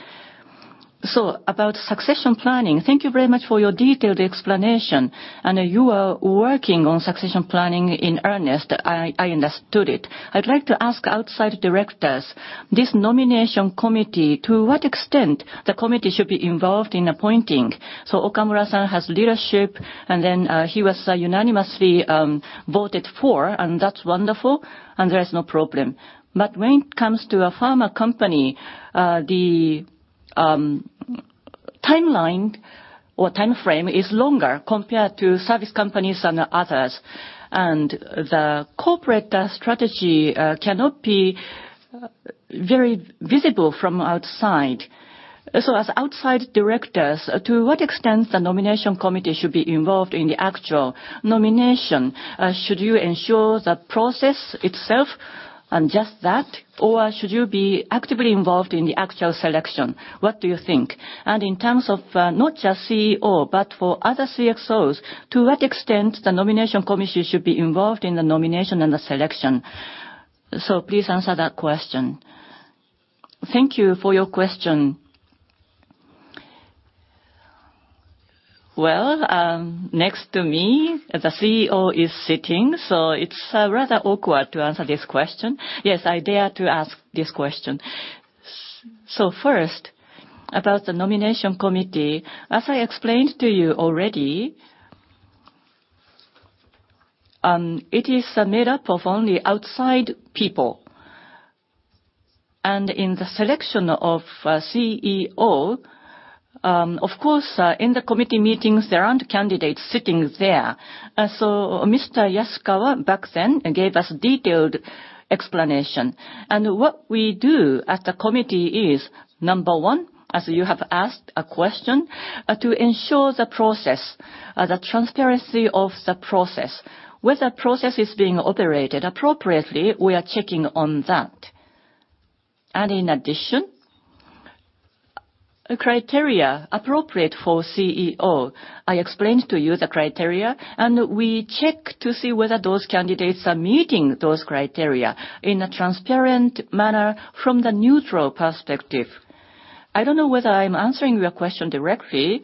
About succession planning, thank you very much for your detailed explanation. You are working on succession planning in earnest, I understood it. I'd like to ask outside directors, this nomination committee, to what extent the committee should be involved in appointing? Okamura-san has leadership, and then he was unanimously voted for, and that's wonderful, and there is no problem. When it comes to a pharma company, the timeline or timeframe is longer compared to service companies and others. The corporate strategy cannot be very visible from outside. As outside directors, to what extent the nomination committee should be involved in the actual nomination? Should you ensure the process itself and just that, or should you be actively involved in the actual selection? What do you think? In terms of not just CEO, but for other CxOs, to what extent the nomination committee should be involved in the nomination and the selection? Please answer that question. Thank you for your question. Next to me, the CEO is sitting, so it's rather awkward to answer this question. Yes, I dare to ask this question. First, about the nomination committee, as I explained to you already, it is made up of only outside people. In the selection of CEO, of course, in the committee meetings, there aren't candidates sitting there. Mr. Yasukawa, back then, gave us detailed explanation. What we do at the committee is, number one, as you have asked a question, to ensure the process, the transparency of the process. Whether process is being operated appropriately, we are checking on that. In addition, criteria appropriate for CEO, I explained to you the criteria, and we check to see whether those candidates are meeting those criteria in a transparent manner from the neutral perspective. I don't know whether I'm answering your question directly,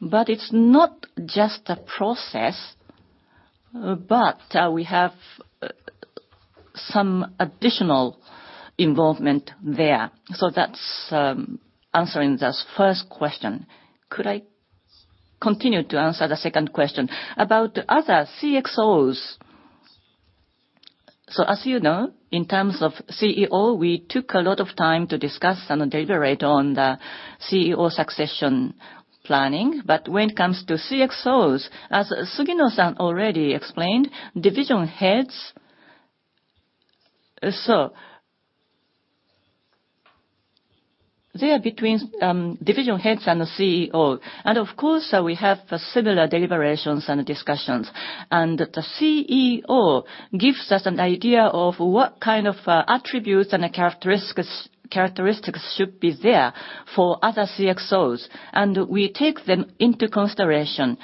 but it's not just a process, but we have some additional involvement there. That's answering the first question. Could I continue to answer the second question? About other CxOs. As you know, in terms of CEO, we took a lot of time to discuss and deliberate on the CEO succession planning. When it comes to CxOs, as Sugino-san already explained, division heads. They are between division heads and the CEO. Of course, we have similar deliberations and discussions. The CEO gives us an idea of what kind of attributes and characteristics should be there for other CxOs, and we take them into consideration.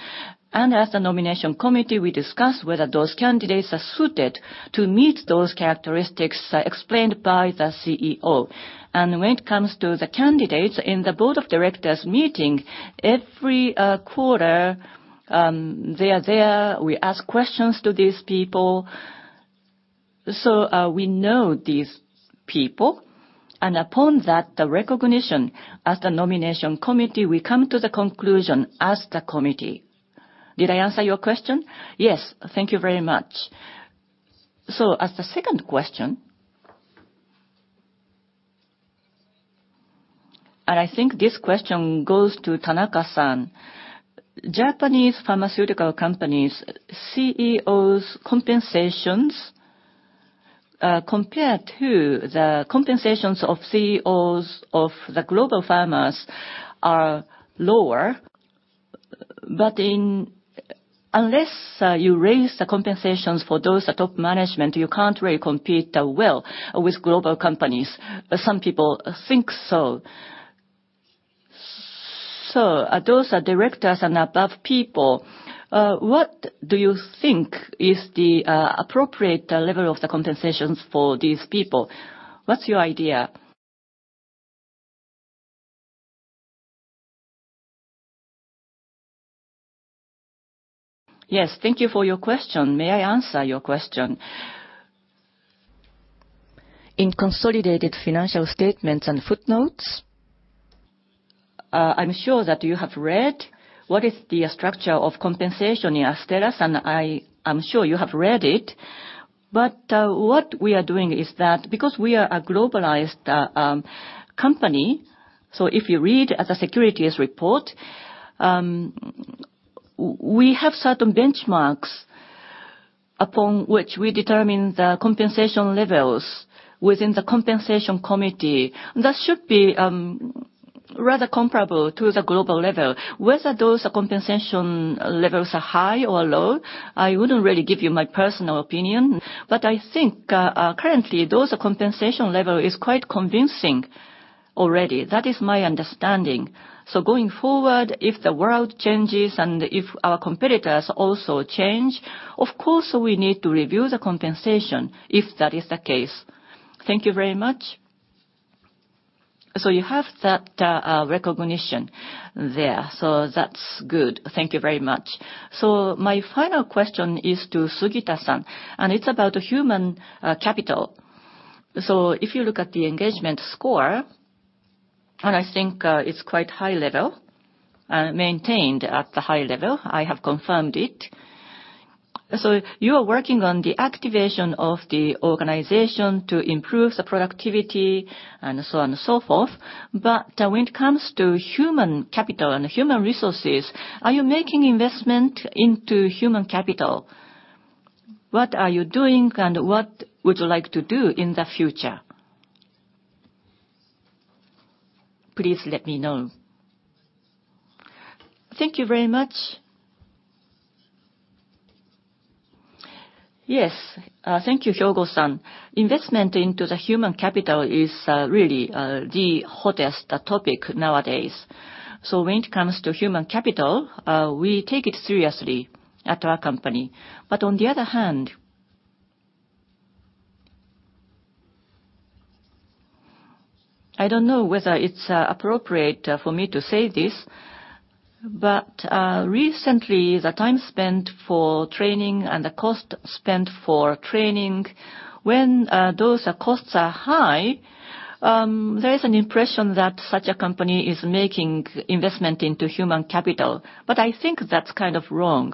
As the nomination committee, we discuss whether those candidates are suited to meet those characteristics explained by the CEO. When it comes to the candidates in the board of directors meeting, every quarter, they are there. We ask questions to these people. We know these people. Upon that, the recognition as the nomination committee, we come to the conclusion as the committee. Did I answer your question? Yes. Thank you very much. As the second question, I think this question goes to Tanaka. Japanese pharmaceutical companies' CEOs compensations, compared to the compensations of CEOs of the global pharmas, are lower. Unless you raise the compensations for those at top management, you can't really compete well with global companies. Some people think so. Those are directors and above people. What do you think is the appropriate level of the compensations for these people? What's your idea? Yes. Thank you for your question. May I answer your question? In consolidated financial statements and footnotes, I'm sure that you have read what is the structure of compensation in Astellas, and I am sure you have read it. What we are doing is that because we are a globalized company, if you read the securities report, we have certain benchmarks upon which we determine the compensation levels within the compensation committee. That should be rather comparable to the global level. Whether those compensation levels are high or low, I wouldn't really give you my personal opinion. I think currently, those compensation level is quite convincing. Already. That is my understanding. Going forward, if the world changes and if our competitors also change, of course, we need to review the compensation if that is the case. Thank you very much. You have that recognition there, that's good. Thank you very much. My final question is to Sugita, it's about human capital. If you look at the engagement score, I think it's quite high level, maintained at the high level, I have confirmed it. You are working on the activation of the organization to improve the productivity, so on and so forth. When it comes to human capital and human resources, are you making investment into human capital? What are you doing, what would you like to do in the future? Please let me know. Thank you very much. Yes. Thank you, Hyogo. Investment into the human capital is really the hottest topic nowadays. When it comes to human capital, we take it seriously at our company. On the other hand, I don't know whether it's appropriate for me to say this, recently, the time spent for training and the cost spent for training, when those costs are high, there is an impression that such a company is making investment into human capital. I think that's kind of wrong.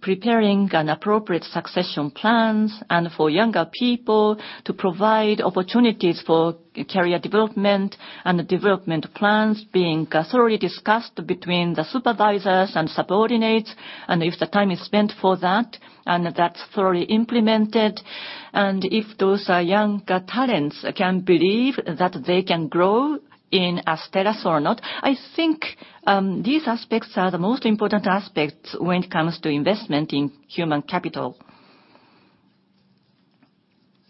Preparing appropriate succession plans for younger people to provide opportunities for career development, the development plans being thoroughly discussed between the supervisors and subordinates, if the time is spent for that's thoroughly implemented, if those young talents can believe that they can grow in Astellas or not. I think, these aspects are the most important aspects when it comes to investment in human capital.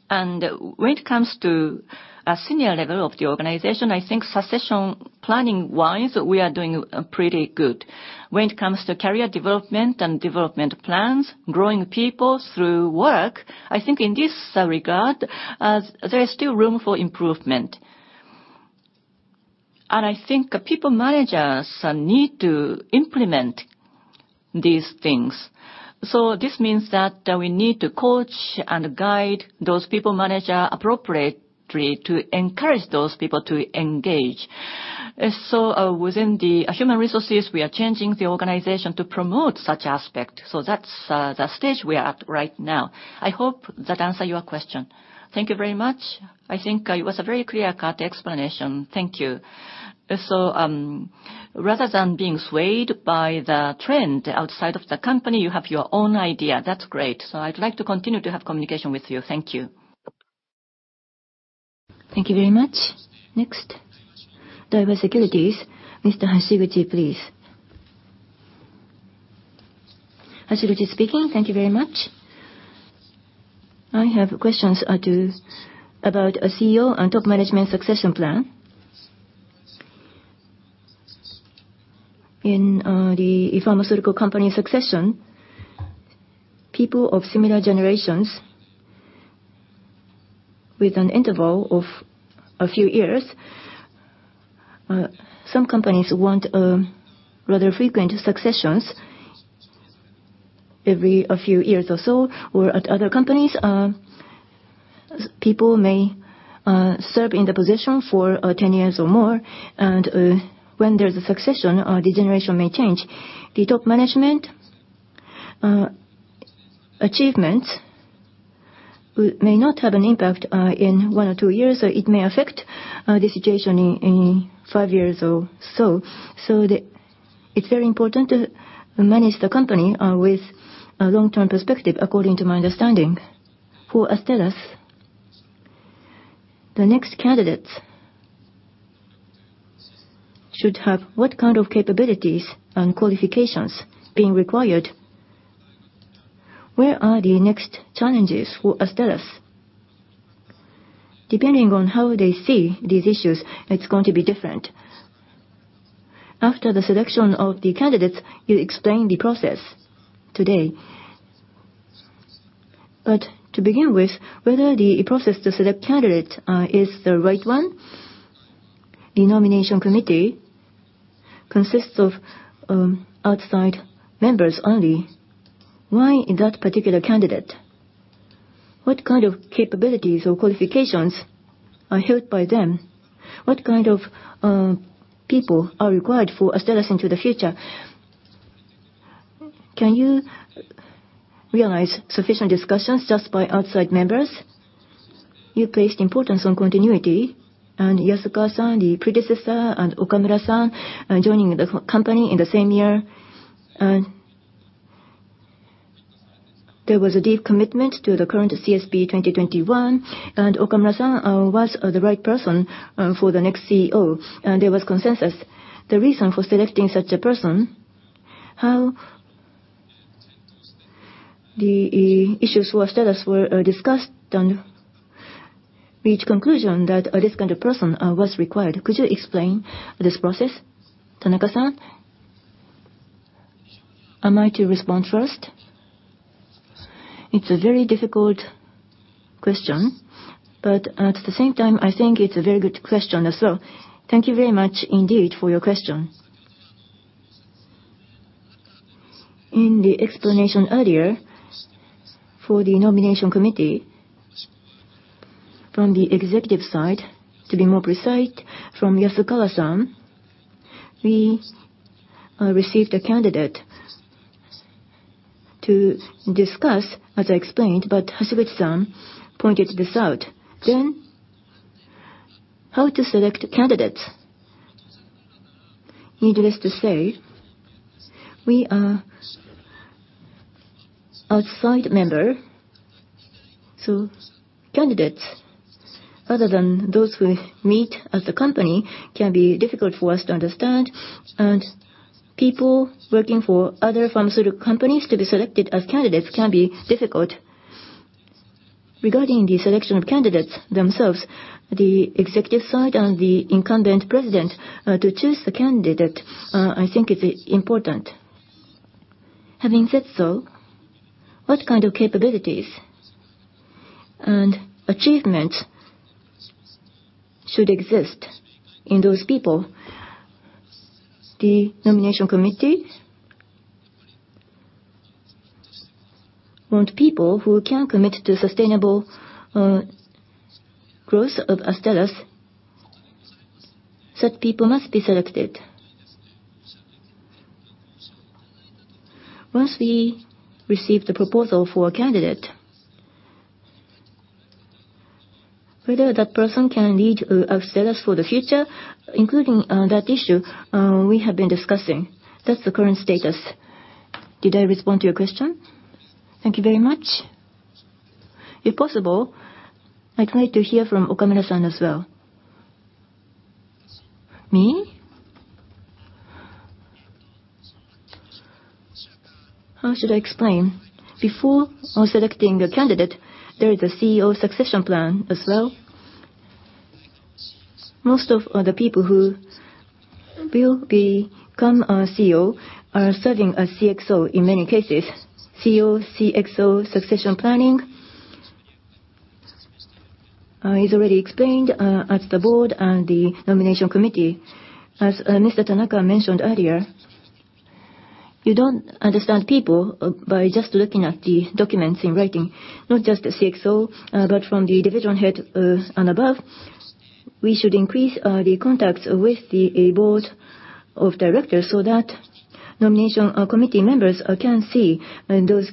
When it comes to a senior level of the organization, I think succession planning-wise, we are doing pretty good. When it comes to career development and development plans, growing people through work, I think in this regard, there is still room for improvement. I think people manager need to implement these things. This means that we need to coach and guide those people manager appropriately to encourage those people to engage. Within the human resources, we are changing the organization to promote such aspect. That's the stage we are at right now. I hope that answered your question. Thank you very much. I think it was a very clear-cut explanation. Thank you. Rather than being swayed by the trend outside of the company, you have your own idea. That's great. I'd like to continue to have communication with you. Thank you. Thank you very much. Next, Daiwa Securities, Mr. Hashiguchi, please. Hashiguchi speaking. Thank you very much. I have questions about CEO and top management succession plan. In the pharmaceutical company succession, people of similar generations, with an interval of a few years, some companies want rather frequent successions every few years or so, or at other companies, people may serve in the position for 10 years or more, and when there's a succession, the generation may change. The top management achievements may not have an impact in one or two years, or it may affect the situation in five years or so. It's very important to manage the company with a long-term perspective, according to my understanding. For Astellas, the next candidates should have what kind of capabilities and qualifications being required? Where are the next challenges for Astellas? Depending on how they see these issues, it's going to be different. After the selection of the candidates, you explained the process today. To begin with, whether the process to select candidate is the right one. The nomination committee consists of outside members only. Why that particular candidate? What kind of capabilities or qualifications are held by them? What kind of people are required for Astellas into the future? Can you realize sufficient discussions just by outside members? You placed importance on continuity, Yasukawa-san, the predecessor, and Okamura-san joining the company in the same year. There was a deep commitment to the current CSP 2021, and Okamura-san was the right person for the next CEO, and there was consensus. The reason for selecting such a person. The issues for Astellas were discussed and reached conclusion that this kind of person was required. Could you explain this process? Tanaka-san? Am I to respond first? It's a very difficult question, but at the same time, I think it's a very good question as well. Thank you very much indeed for your question. In the explanation earlier, for the nomination committee, from the executive side, to be more precise, from Yasukawa-san, we received a candidate to discuss, as I explained, but Hasegawa-san pointed this out. How to select candidates. Needless to say, we are outside member, so candidates other than those we meet as a company can be difficult for us to understand, and people working for other pharmaceutical companies to be selected as candidates can be difficult. Regarding the selection of candidates themselves, the executive side and the incumbent president to choose the candidate, I think it is important. Having said so, what kind of capabilities and achievement should exist in those people? The nomination committee want people who can commit to sustainable growth of Astellas. Such people must be selected. Once we receive the proposal for a candidate, whether that person can lead Astellas for the future, including that issue, we have been discussing. That's the current status. Did I respond to your question? Thank you very much. If possible, I'd like to hear from Okamura-san as well. Me? How should I explain? Before selecting a candidate, there is a CEO succession plan as well. Most of the people who will become our CEO are serving as CxO in many cases. CEO, CxO, succession planning, is already explained at the board and the nomination committee. As Mr. Tanaka mentioned earlier, you don't understand people by just looking at the documents in writing. Not just the CxO, but from the divisional head and above, we should increase the contacts with the board of directors so that nomination of committee members can see those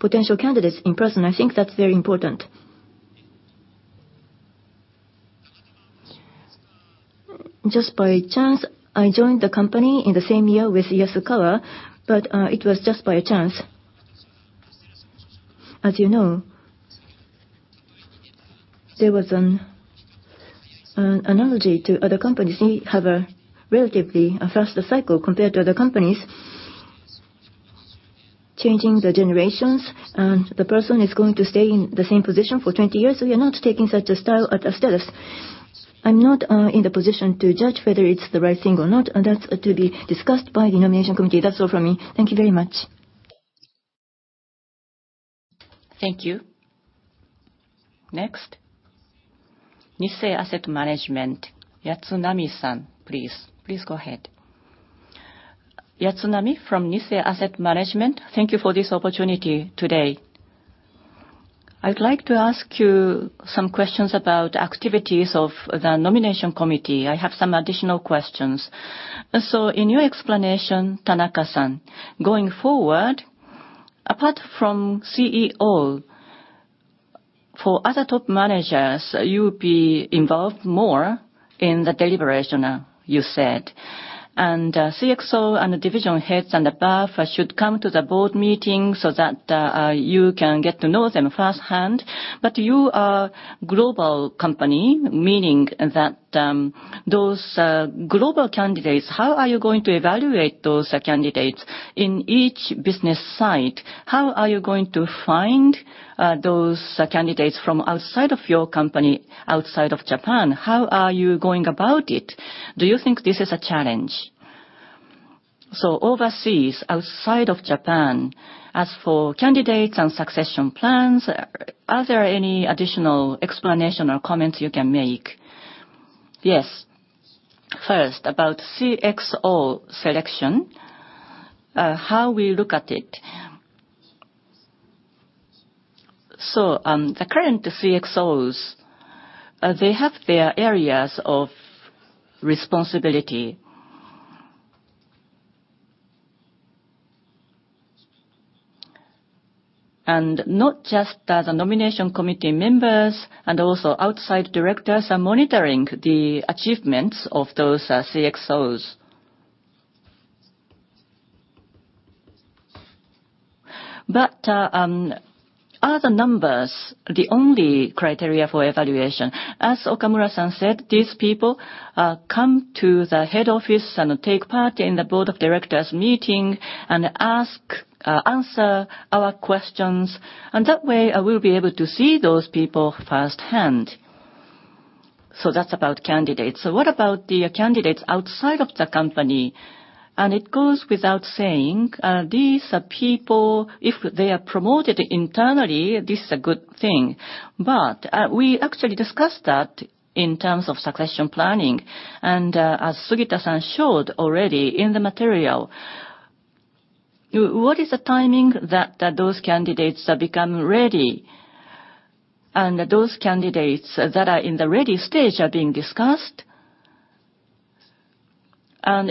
potential candidates in person. I think that's very important. Just by chance, I joined the company in the same year with Yasukawa, but it was just by chance. As you know, there was an analogy to other companies. We have a relatively faster cycle compared to other companies, changing the generations, and the person is going to stay in the same position for 20 years. We are not taking such a style at Astellas. I'm not in the position to judge whether it's the right thing or not, and that's to be discussed by the nomination committee. That's all from me. Thank you very much. Thank you. Next, Nissay Asset Management. Yatsunami-san, please. Please go ahead. Yatsunami from Nissay Asset Management. Thank you for this opportunity today. I would like to ask you some questions about activities of the nomination committee. I have some additional questions. In your explanation, Tanaka-san, going forward, apart from CEO, for other top managers, you will be involved more in the deliberation, you said. CxO and the division heads and above should come to the board meeting so that you can get to know them firsthand. You are a global company, meaning that those global candidates, how are you going to evaluate those candidates in each business site? How are you going to find those candidates from outside of your company, outside of Japan? How are you going about it? Do you think this is a challenge? Overseas, outside of Japan, as for candidates and succession plans, are there any additional explanation or comments you can make? Yes. First, about CxO selection, how we look at it. The current CxOs, they have their areas of responsibility. Not just the nomination committee members and also outside directors are monitoring the achievements of those CxOs. Are the numbers the only criteria for evaluation? As Okamura-san said, these people come to the head office and take part in the board of directors meeting and answer our questions. That way, I will be able to see those people firsthand. That is about candidates. What about the candidates outside of the company? It goes without saying, these are people, if they are promoted internally, this is a good thing. We actually discussed that in terms of succession planning. As Sugita-san showed already in the material, what is the timing that those candidates become ready? Those candidates that are in the ready stage are being discussed.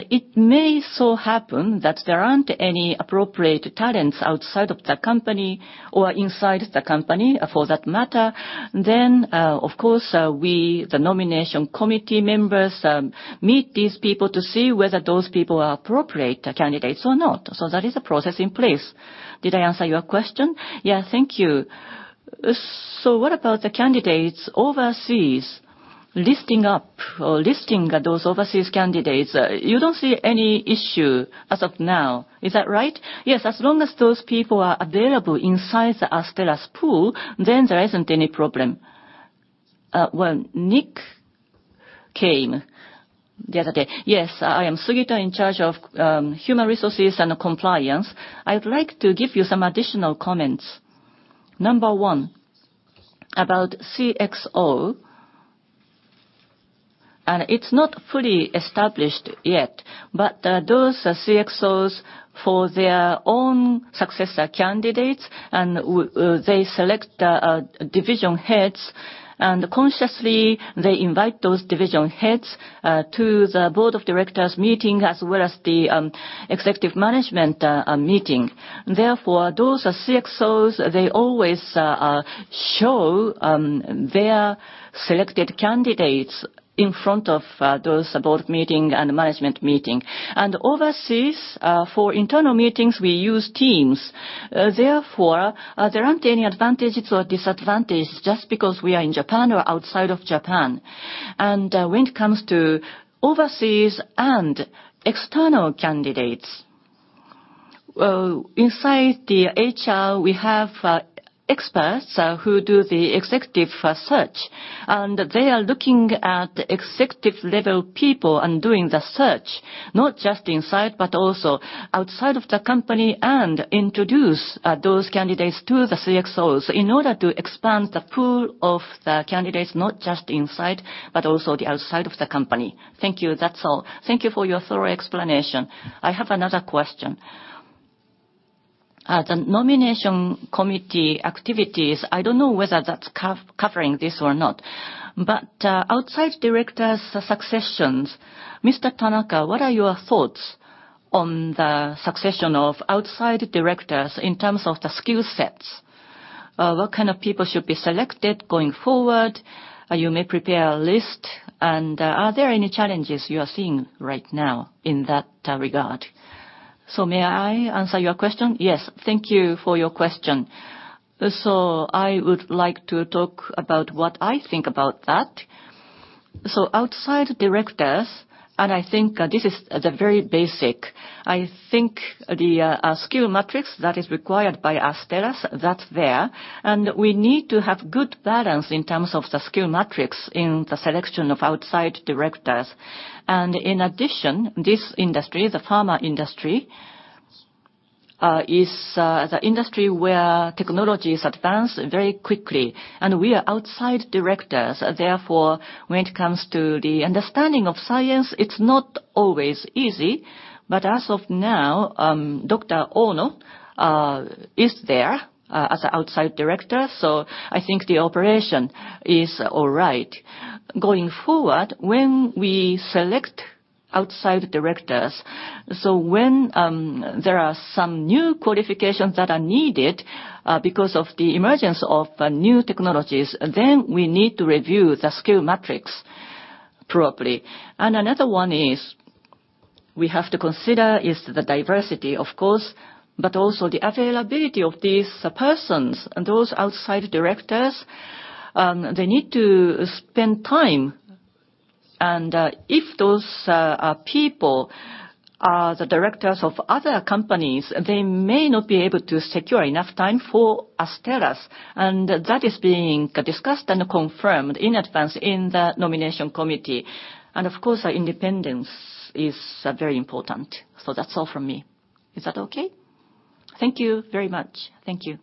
It may so happen that there are not any appropriate talents outside of the company or inside the company for that matter. Of course, we, the nomination committee members, meet these people to see whether those people are appropriate candidates or not. That is a process in place. Did I answer your question? Yeah, thank you. What about the candidates overseas, listing up or listing those overseas candidates? You do not see any issue as of now, is that right? Yes. As long as those people are available inside the Astellas pool, then there is not any problem. When Nick came the other day. Yes, I am Sugita, in charge of human resources and compliance. I would like to give you some additional comments. Number 1, about CxO. It is not fully established yet, but those are CxOs for their own successor candidates, they select division heads, and consciously they invite those division heads to the board of directors meeting, as well as the executive management meeting. Those are CxOs, they always show their selected candidates in front of those board meeting and management meeting. Overseas, for internal meetings, we use Teams. There are not any advantages or disadvantages just because we are in Japan or outside of Japan. When it comes to overseas and external candidates, inside the HR, we have experts who do the executive search, and they are looking at executive-level people and doing the search, not just inside, but also outside of the company, and introduce those candidates to the CxOs in order to expand the pool of the candidates, not just inside, but also the outside of the company. Thank you. That's all. Thank you for your thorough explanation. I have another question. The Nomination Committee activities, I do not know whether that is covering this or not, but Outside Directors' successions. Mr. Tanaka, what are your thoughts on the succession of Outside Directors in terms of the skill sets? What kind of people should be selected going forward? You may prepare a list. Are there any challenges you are seeing right now in that regard? May I answer your question? Yes. Thank you for your question. I would like to talk about what I think about that. Outside Directors, and I think this is the very basic, I think the skill matrix that is required by Astellas, that is there. We need to have good balance in terms of the skill matrix in the selection of Outside Directors. In addition, this industry, the pharma industry, is the industry where technology is advanced very quickly. We are Outside Directors, therefore, when it comes to the understanding of science, it is not always easy. But as of now, Dr. Ono is there as an Outside Director, so I think the operation is all right. Going forward, when we select Outside Directors, when there are some new qualifications that are needed because of the emergence of new technologies, then we need to review the skill matrix properly. Another one is, we have to consider is the diversity, of course, but also the availability of these persons. Those Outside Directors, they need to spend time, and if those people are the directors of other companies, they may not be able to secure enough time for Astellas, and that is being discussed and confirmed in advance in the Nomination Committee. Of course, independence is very important. That is all from me. Is that okay? Thank you very much. Thank you.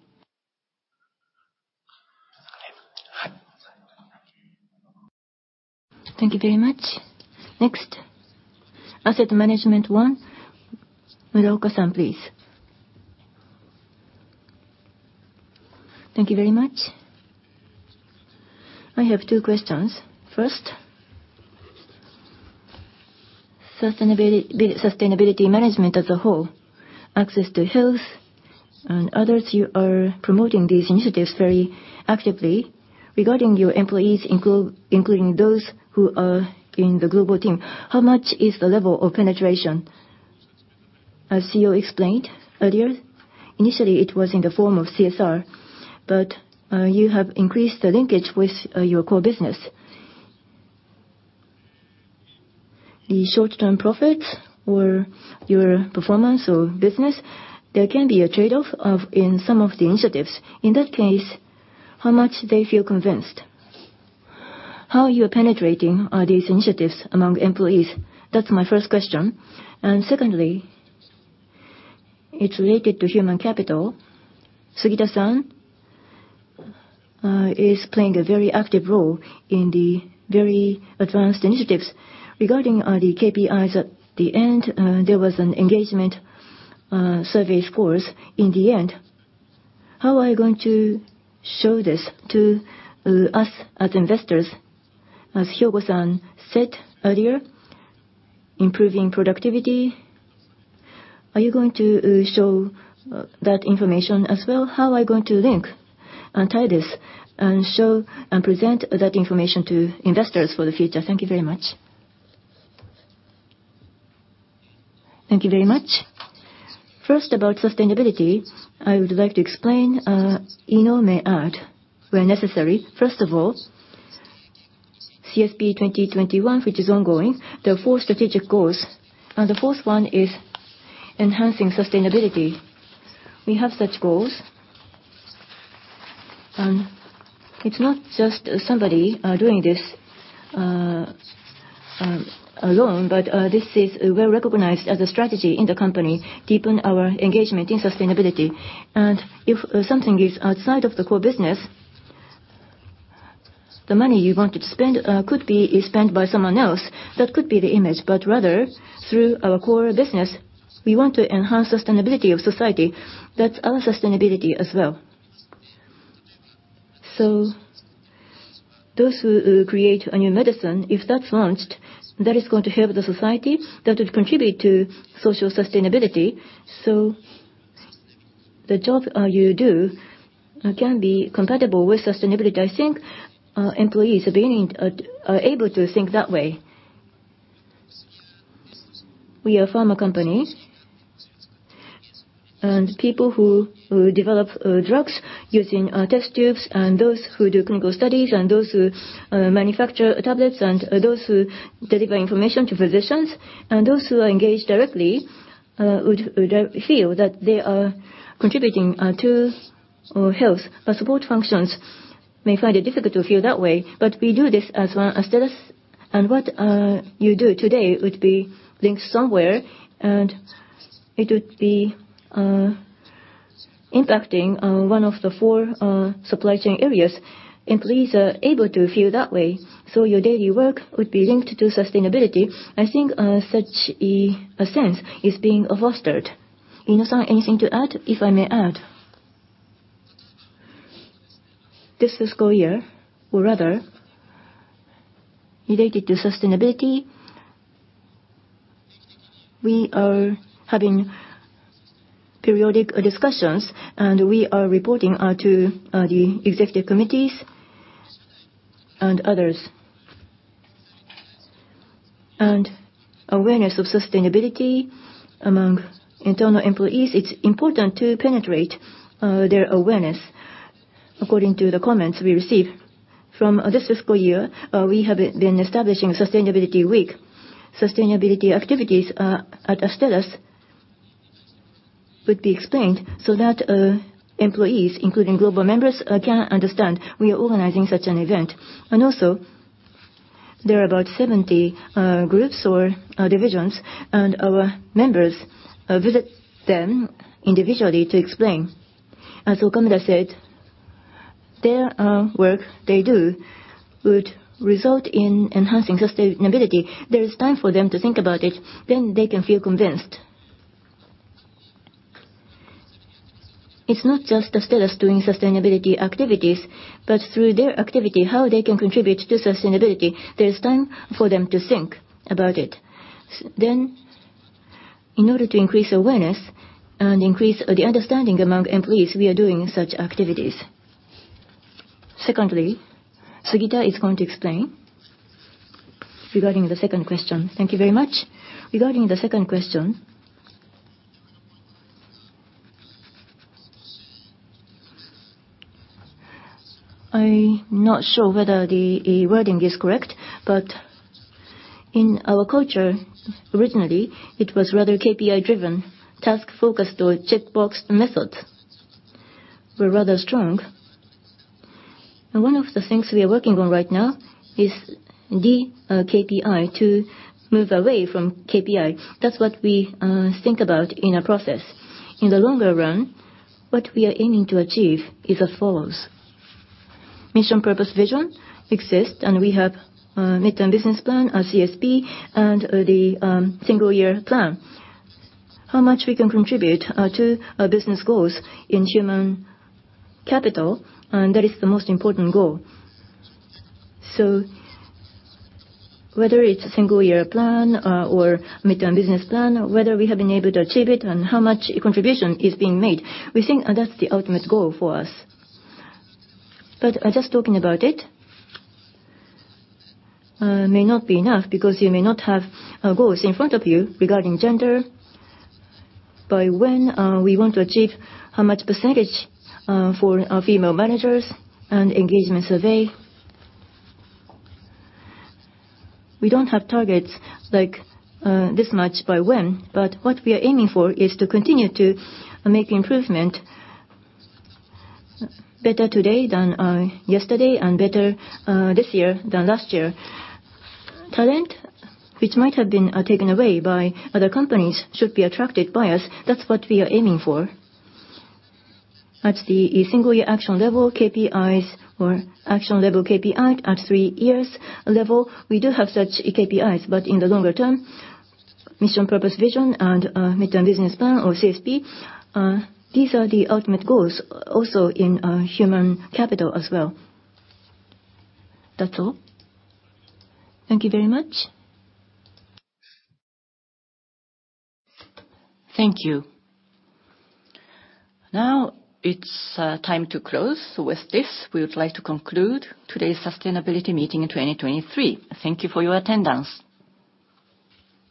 Thank you very much. Next, Asset Management One, Muraoka-san, please. Thank you very much. I have two questions. First, sustainability management as a whole, access to health and others, you are promoting these initiatives very actively. Regarding your employees, including those who are in the global team, how much is the level of penetration? As CEO explained earlier, initially it was in the form of CSR, but you have increased the linkage with your core business. The short-term profits or your performance or business, there can be a trade-off in some of the initiatives. In that case, how much they feel convinced? How you are penetrating these initiatives among employees? That is my first question. Secondly, it is related to human capital. Sugita-san is playing a very active role in the very advanced initiatives. Regarding the KPIs at the end, there was a Global Engagement Survey scores in the end. How are you going to show this to us as investors? As Hyogo said earlier, improving productivity. Are you going to show that information as well? How are you going to link and tie this, and show and present that information to investors for the future? Thank you very much. Thank you very much. First, about sustainability, I would like to explain. Iino may add where necessary. First of all, CSP 2021, which is ongoing, there are four strategic goals, and the fourth one is enhancing sustainability. We have such goals. It's not just somebody doing this alone, but this is well-recognized as a strategy in the company, deepen our engagement in sustainability. If something is outside of the core business, the money you want to spend could be spent by someone else. That could be the image, but rather, through our core business, we want to enhance sustainability of society. That's our sustainability as well. Those who create a new medicine, if that's launched, that is going to help the society. That will contribute to social sustainability. The job you do can be compatible with sustainability. I think our employees are able to think that way. We are a pharma company. People who develop drugs using test tubes, and those who do clinical studies, and those who manufacture tablets, and those who deliver information to physicians, and those who are engaged directly would feel that they are contributing to health. Our support functions may find it difficult to feel that way, but we do this as well. What you do today would be linked somewhere, and it would be impacting one of the four supply chain areas. Employees are able to feel that way. Your daily work would be linked to sustainability. I think such a sense is being fostered. Iino-san, anything to add? If I may add. This fiscal year, or rather, related to sustainability, we are having periodic discussions, and we are reporting to the executive committees and others. Awareness of sustainability among internal employees, it's important to penetrate their awareness, according to the comments we receive. From this fiscal year, we have been establishing Sustainability Week. Sustainability activities at Astellas would be explained so that employees, including global members, can understand we are organizing such an event. Also, there are about 70 groups or divisions, and our members visit them individually to explain. As Okamura said, their work they do would result in enhancing sustainability. There is time for them to think about it, then they can feel convinced. It's not just Astellas doing sustainability activities, but through their activity, how they can contribute to sustainability. There is time for them to think about it. In order to increase awareness and increase the understanding among employees, we are doing such activities. Secondly, Sugita is going to explain regarding the second question. Thank you very much. Regarding the second question, I'm not sure whether the wording is correct, but in our culture, originally, it was rather KPI-driven, task-focused, or checkbox methods were rather strong. One of the things we are working on right now is de-KPI, to move away from KPI. That's what we think about in a process. In the longer run, what we are aiming to achieve is as follows. Mission, purpose, vision exist, and we have a midterm business plan, a CSP, and the single year plan. How much we can contribute to our business goals in human capital, that is the most important goal. Whether it's a single year plan or a midterm business plan, whether we have been able to achieve it and how much contribution is being made, we think that's the ultimate goal for us. Just talking about it may not be enough, because you may not have goals in front of you regarding gender, by when we want to achieve how much percentage for our female managers, and engagement survey. We don't have targets like this much by when, but what we are aiming for is to continue to make improvement better today than yesterday, and better this year than last year. Talent, which might have been taken away by other companies, should be attracted by us. That's what we are aiming for. At the single year action level, KPIs or action level KPI at three years level. We do have such KPIs, in the longer term, mission, purpose, vision, and midterm business plan or CSP, these are the ultimate goals, also in human capital as well. That's all. Thank you very much. Thank you. Now it's time to close. With this, we would like to conclude today's Sustainability Meeting 2023. Thank you for your attendance.